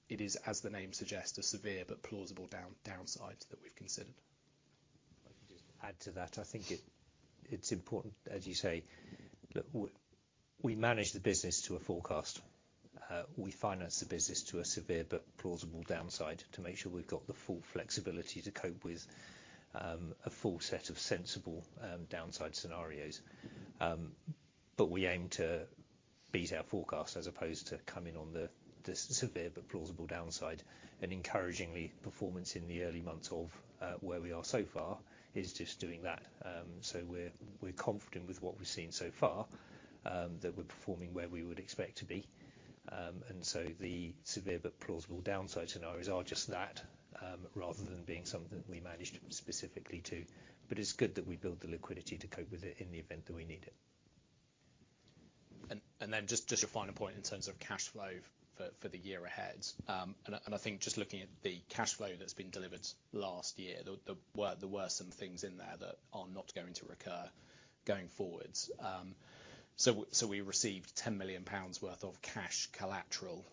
It is, as the name suggests, a severe but plausible downside that we've considered. If I could just add to that, I think it's important, as you say, we manage the business to a forecast. We finance the business to a severe but plausible downside to make sure we've got the full flexibility to cope with a full set of sensible downside scenarios. But we aim to beat our forecast as opposed to coming on the severe but plausible downside. And encouragingly, performance in the early months of where we are so far is just doing that. So we're confident with what we've seen so far that we're performing where we would expect to be. And so the severe but plausible downside scenarios are just that rather than being something that we managed specifically to. But it's good that we build the liquidity to cope with it in the event that we need it. Then just your final point in terms of cash flow for the year ahead. I think just looking at the cash flow that's been delivered last year, there were some things in there that are not going to recur going forwards. We received 10 million pounds worth of cash collateral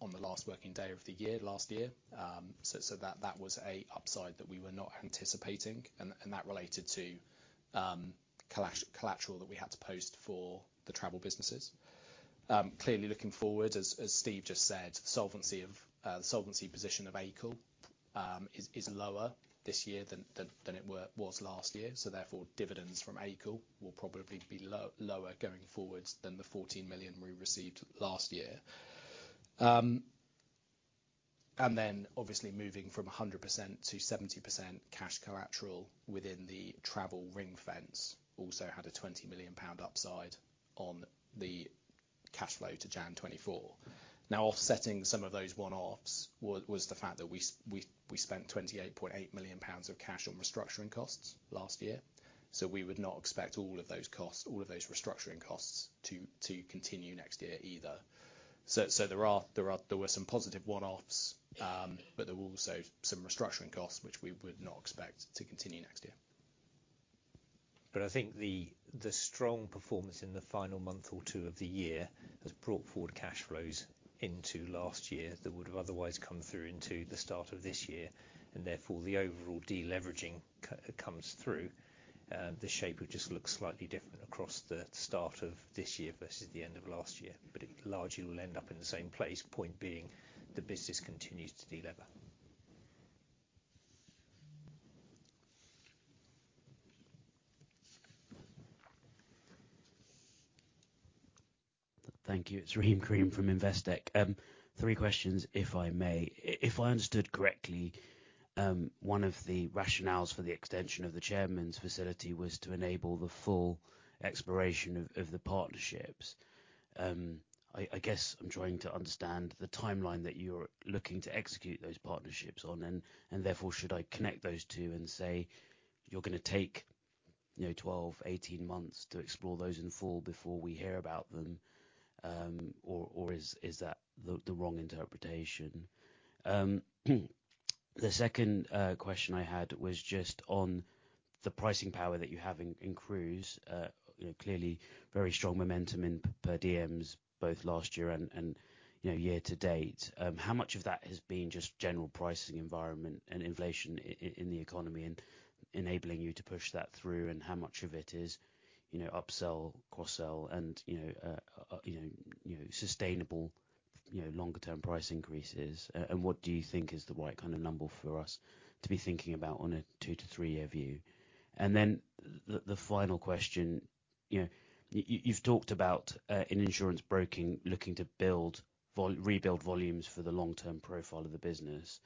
on the last working day of the year last year. That was an upside that we were not anticipating, and that related to collateral that we had to post for the travel businesses. Clearly, looking forward, as Steve just said, the solvency position of AICL is lower this year than it was last year. Therefore, dividends from AICL will probably be lower going forward than the 14 million we received last year. Then obviously, moving from 100% to 70% cash collateral within the travel ring fence also had a 20 million pound upside on the cash flow to January 2024. Now, offsetting some of those one-offs was the fact that we spent 28.8 million pounds of cash on restructuring costs last year. So we would not expect all of those costs, all of those restructuring costs, to continue next year either. So there were some positive one-offs, but there were also some restructuring costs which we would not expect to continue next year. But I think the strong performance in the final month or two of the year has brought forward cash flows into last year that would have otherwise come through into the start of this year, and therefore, the overall deleveraging comes through. The shape just looks slightly different across the start of this year versus the end of last year, but it largely will end up in the same place, point being the business continues to delever. Thank you. It's Rahim Karim from Investec. Three questions, if I may. If I understood correctly, one of the rationales for the extension of the chairman's facility was to enable the full exploration of the partnerships. I guess I'm trying to understand the timeline that you're looking to execute those partnerships on, and therefore, should I connect those two and say you're going to take 12, 18 months to explore those in full before we hear about them, or is that the wrong interpretation? The second question I had was just on the pricing power that you have in cruise. Clearly, very strong momentum per diems, both last year and year to date. How much of that has been just general pricing environment and inflation in the economy and enabling you to push that through, and how much of it is upsell, cross-sell, and sustainable longer-term price increases? And what do you think is the right kind of number for us to be thinking about on a 2-3-year view? And then the final question, you've talked about in insurance broking looking to rebuild volumes for the long-term profile of the business.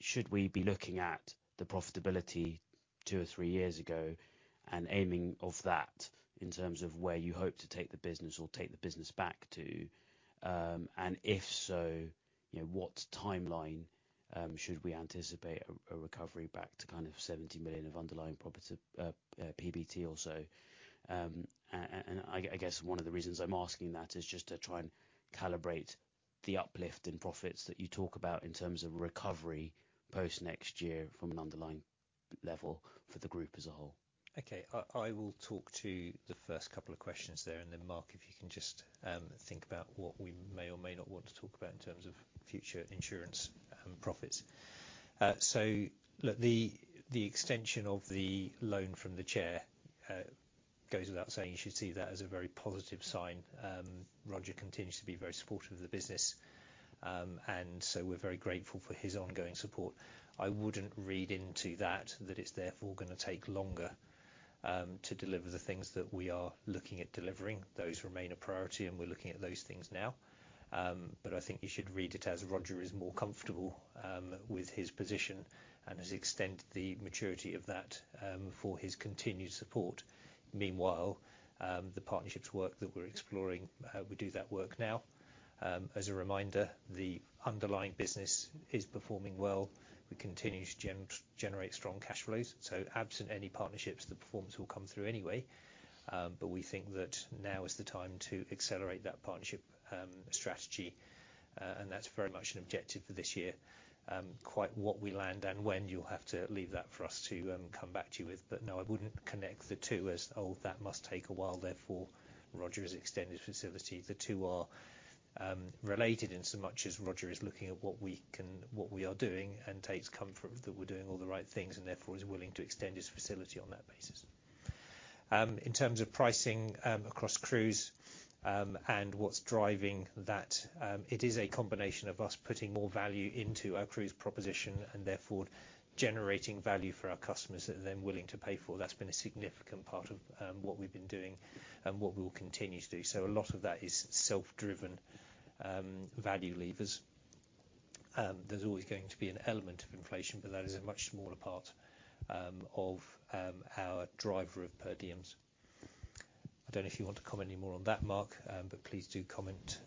Should we be looking at the profitability 2 or 3 years ago and aiming off that in terms of where you hope to take the business or take the business back to? And if so, what timeline should we anticipate a recovery back to kind of 70 million of underlying PBT or so? And I guess one of the reasons I'm asking that is just to try and calibrate the uplift in profits that you talk about in terms of recovery post-next year from an underlying level for the group as a whole. Okay. I will talk to the first couple of questions there, and then, Mark, if you can just think about what we may or may not want to talk about in terms of future insurance profits. So look, the extension of the loan from the chair goes without saying. You should see that as a very positive sign. Roger continues to be very supportive of the business, and so we're very grateful for his ongoing support. I wouldn't read into that that it's therefore going to take longer to deliver the things that we are looking at delivering. Those remain a priority, and we're looking at those things now. But I think you should read it as Roger is more comfortable with his position and has extended the maturity of that for his continued support. Meanwhile, the partnerships work that we're exploring, we do that work now. As a reminder, the underlying business is performing well. We continue to generate strong cash flows. So absent any partnerships, the performance will come through anyway. But we think that now is the time to accelerate that partnership strategy, and that's very much an objective for this year. Quite what we land and when, you'll have to leave that for us to come back to you with. But no, I wouldn't connect the two as, "Oh, that must take a while, therefore, Roger's extended facility." The two are related in so much as Roger is looking at what we are doing and takes comfort that we're doing all the right things and therefore is willing to extend his facility on that basis. In terms of pricing across cruise and what's driving that, it is a combination of us putting more value into our cruise proposition and therefore generating value for our customers that they're then willing to pay for. That's been a significant part of what we've been doing and what we will continue to do. A lot of that is self-driven value levers. There's always going to be an element of inflation, but that is a much smaller part of our driver of per diems. I don't know if you want to comment any more on that, Mark, but please do comment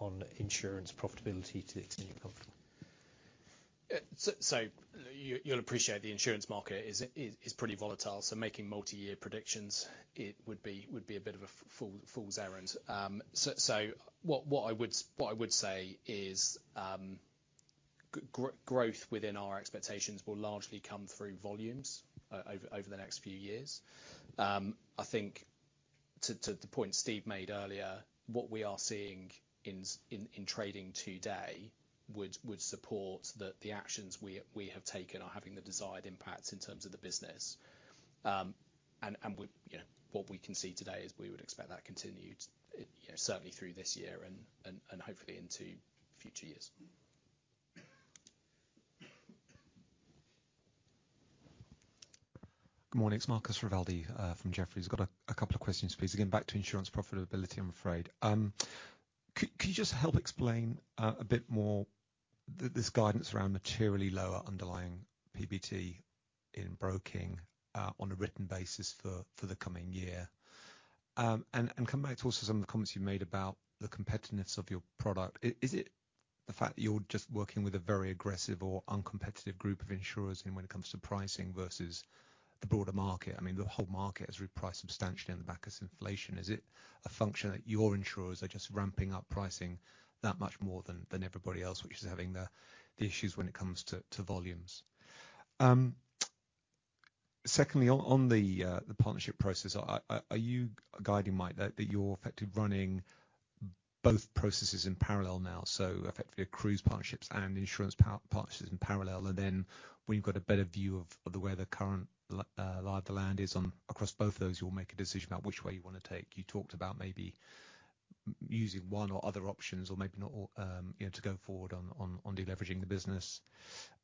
on insurance profitability to the extent you're comfortable. You'll appreciate the insurance market is pretty volatile, so making multi-year predictions, it would be a bit of a fool's errand. What I would say is growth within our expectations will largely come through volumes over the next few years. I think to the point Steve made earlier, what we are seeing in trading today would support that the actions we have taken are having the desired impacts in terms of the business. What we can see today is we would expect that continued, certainly through this year and hopefully into future years. Good morning. It's Marcus Rivaldi from Jefferies. I've got a couple of questions, please. Again, back to insurance profitability, I'm afraid. Could you just help explain a bit more this guidance around materially lower underlying PBT in broking on a written basis for the coming year? And coming back to also some of the comments you've made about the competitiveness of your product, is it the fact that you're just working with a very aggressive or uncompetitive group of insurers when it comes to pricing versus the broader market? I mean, the whole market has repriced substantially on the back of inflation. Is it a function that your insurers are just ramping up pricing that much more than everybody else, which is having the issues when it comes to volumes? Secondly, on the partnership process, are you guiding, Mike, that you're effectively running both processes in parallel now, so effectively cruise partnerships and insurance partnerships in parallel? And then when you've got a better view of the way the current lay of the land is across both of those, you'll make a decision about which way you want to take. You talked about maybe using one or other options or maybe not to go forward on deleveraging the business.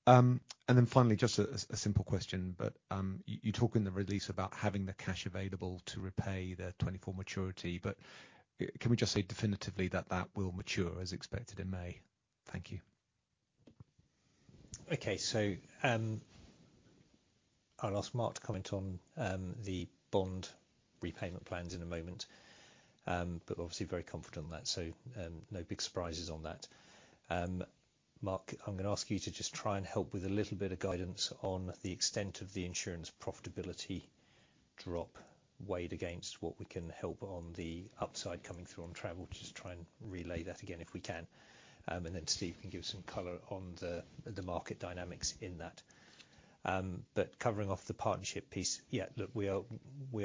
And then finally, just a simple question, but you talk in the release about having the cash available to repay the 2024 maturity. But can we just say definitively that that will mature as expected in May? Thank you. Okay. So I'll ask Mark to comment on the bond repayment plans in a moment, but obviously very confident on that, so no big surprises on that. Mark, I'm going to ask you to just try and help with a little bit of guidance on the extent of the insurance profitability drop weighed against what we can help on the upside coming through on travel, to just try and relay that again if we can. And then Steve can give some color on the market dynamics in that. But covering off the partnership piece, yeah, look, we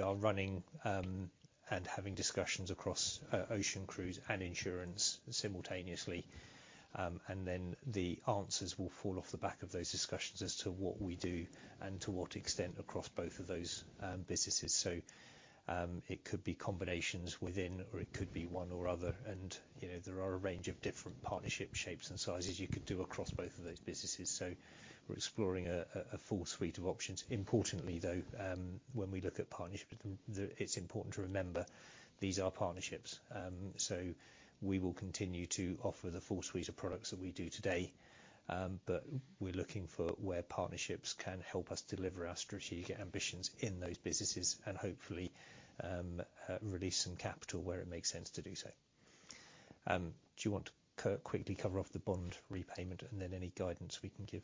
are running and having discussions across Ocean Cruise and insurance simultaneously, and then the answers will fall off the back of those discussions as to what we do and to what extent across both of those businesses. So it could be combinations within, or it could be one or other. There are a range of different partnership shapes and sizes you could do across both of those businesses. We're exploring a full suite of options. Importantly, though, when we look at partnerships, it's important to remember these are partnerships. We will continue to offer the full suite of products that we do today, but we're looking for where partnerships can help us deliver our strategic ambitions in those businesses and hopefully release some capital where it makes sense to do so. Do you want to quickly cover off the bond repayment and then any guidance we can give?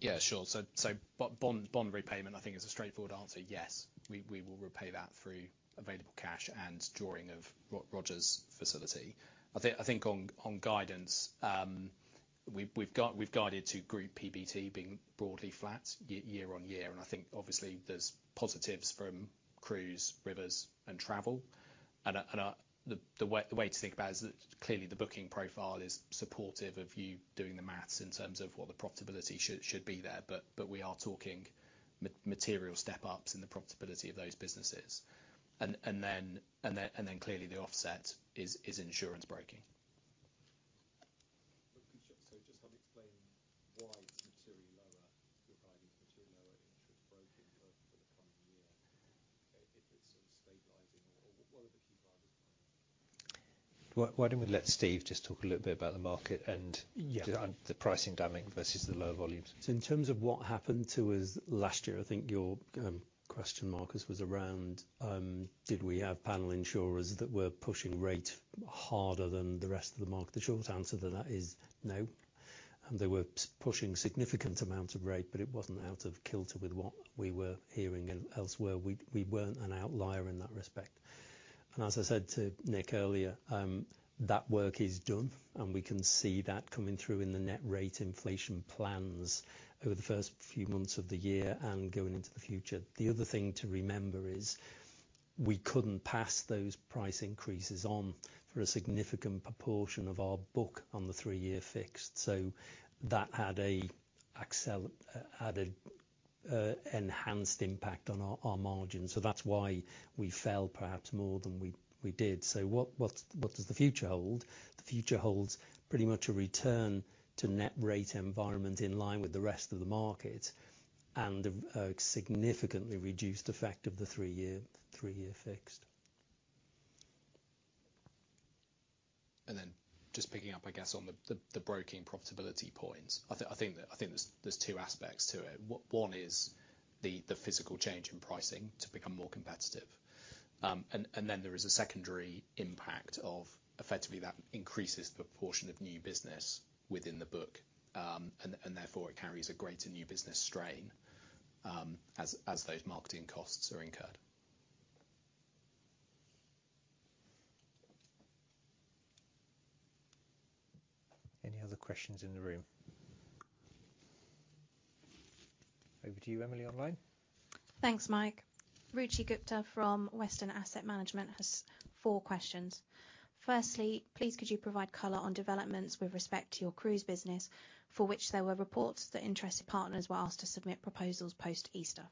Yeah, sure. So bond repayment, I think, is a straightforward answer. Yes, we will repay that through available cash and drawing of Roger's facility. I think on guidance, we've guided to group PBT being broadly flat year-on-year. And I think obviously there's positives from cruise, rivers, and travel. And the way to think about it is that clearly the booking profile is supportive of you doing the maths in terms of what the profitability should be there, but we are talking material step-ups in the profitability of those businesses. And then clearly the offset is insurance broking. Just help explain why it's materially lower. You're guiding to materially lower insurance broking for the coming year. If it's sort of stabilizing, what are the key drivers behind that? Why don't we let Steve just talk a little bit about the market and the pricing dynamic versus the lower volumes? So in terms of what happened to us last year, I think your question, Marcus, was around did we have panel insurers that were pushing rate harder than the rest of the market? The short answer to that is no. They were pushing significant amounts of rate, but it wasn't out of kilter with what we were hearing elsewhere. We weren't an outlier in that respect. And as I said to Nick earlier, that work is done, and we can see that coming through in the net rate inflation plans over the first few months of the year and going into the future. The other thing to remember is we couldn't pass those price increases on for a significant proportion of our book on the three-year fixed. So that's why we fell perhaps more than we did. What does the future hold? The future holds pretty much a return to net rate environment in line with the rest of the market and a significantly reduced effect of the three-year fixed. And then just picking up, I guess, on the broking profitability points, I think there's two aspects to it. One is the physical change in pricing to become more competitive. And then there is a secondary impact of effectively that increases the proportion of new business within the book, and therefore it carries a greater new business strain as those marketing costs are incurred. Any other questions in the room? Over to you, Emily, online. Thanks, Mike. Ruchi Gupta from Western Asset Management has four questions. Firstly, please could you provide color on developments with respect to your cruise business for which there were reports that interested partners were asked to submit proposals post-Easter?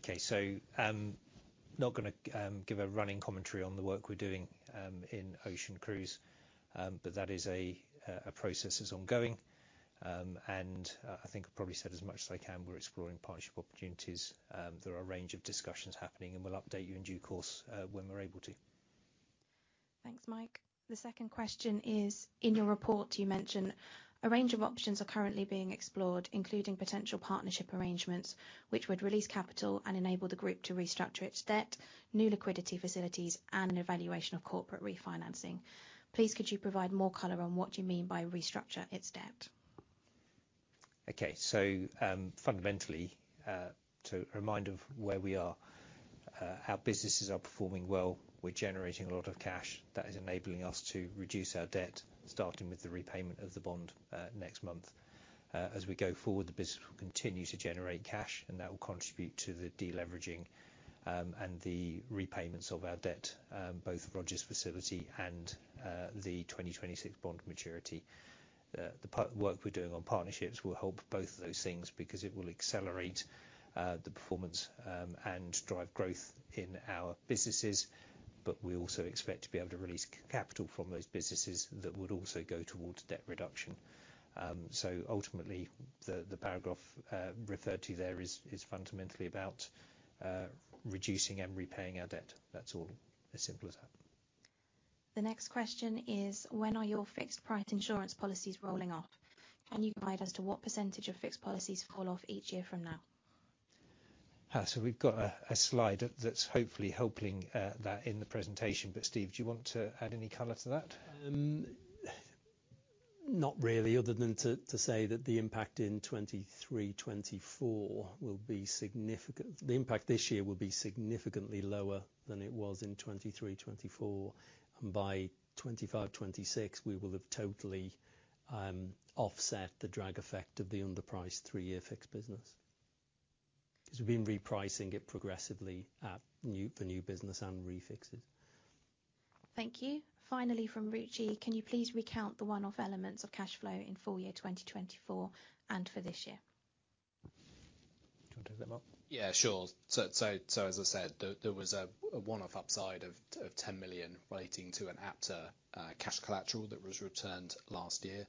Okay. So not going to give a running commentary on the work we're doing in Ocean Cruise, but that is a process that's ongoing. And I think I've probably said as much as I can. We're exploring partnership opportunities. There are a range of discussions happening, and we'll update you in due course when we're able. Thanks, Mike. The second question is, in your report, you mentioned a range of options are currently being explored, including potential partnership arrangements which would release capital and enable the group to restructure its debt, new liquidity facilities, and an evaluation of corporate refinancing. Please could you provide more color on what you mean by restructure its debt? Okay. So fundamentally, to remind of where we are, our businesses are performing well. We're generating a lot of cash that is enabling us to reduce our debt, starting with the repayment of the bond next month. As we go forward, the business will continue to generate cash, and that will contribute to the deleveraging and the repayments of our debt, both Roger's facility and the 2026 bond maturity. The work we're doing on partnerships will help both of those things because it will accelerate the performance and drive growth in our businesses, but we also expect to be able to release capital from those businesses that would also go towards debt reduction. So ultimately, the paragraph referred to there is fundamentally about reducing and repaying our debt. That's all. As simple as that. The next question is, when are your fixed-price insurance policies rolling off? Can you guide us to what percentage of fixed policies fall off each year from now? We've got a slide that's hopefully helping that in the presentation. Steve, do you want to add any color to that? Not really, other than to say that the impact in 2023/24 will be significant. The impact this year will be significantly lower than it was in 2023/24. By 2025/26, we will have totally offset the drag effect of the underpriced three-year fixed business because we've been repricing it progressively for new business and refixes. Thank you. Finally, from Ruchi, can you please recount the one-off elements of cash flow in full year 2024 and for this year? Do you want to do that, Mark? Yeah, sure. So as I said, there was a one-off upside of 10 million relating to an ABTA cash collateral that was returned last year.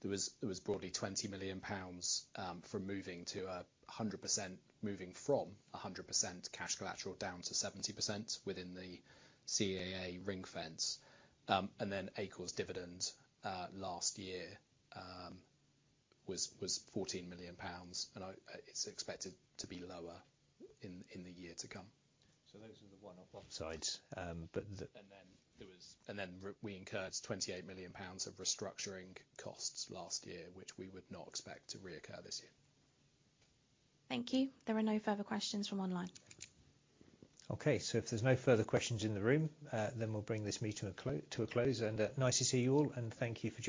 There was broadly 20 million pounds from moving to a 100% moving from 100% cash collateral down to 70% within the CAA ring fence. And then AICL's dividend last year was 14 million pounds, and it's expected to be lower in the year to come. Those are the one-off upsides. But. And then we incurred 28 million pounds of restructuring costs last year, which we would not expect to reoccur this year. Thank you. There are no further questions from online. Okay. So if there's no further questions in the room, then we'll bring this meeting to a close. Nice to see you all, and thank you for.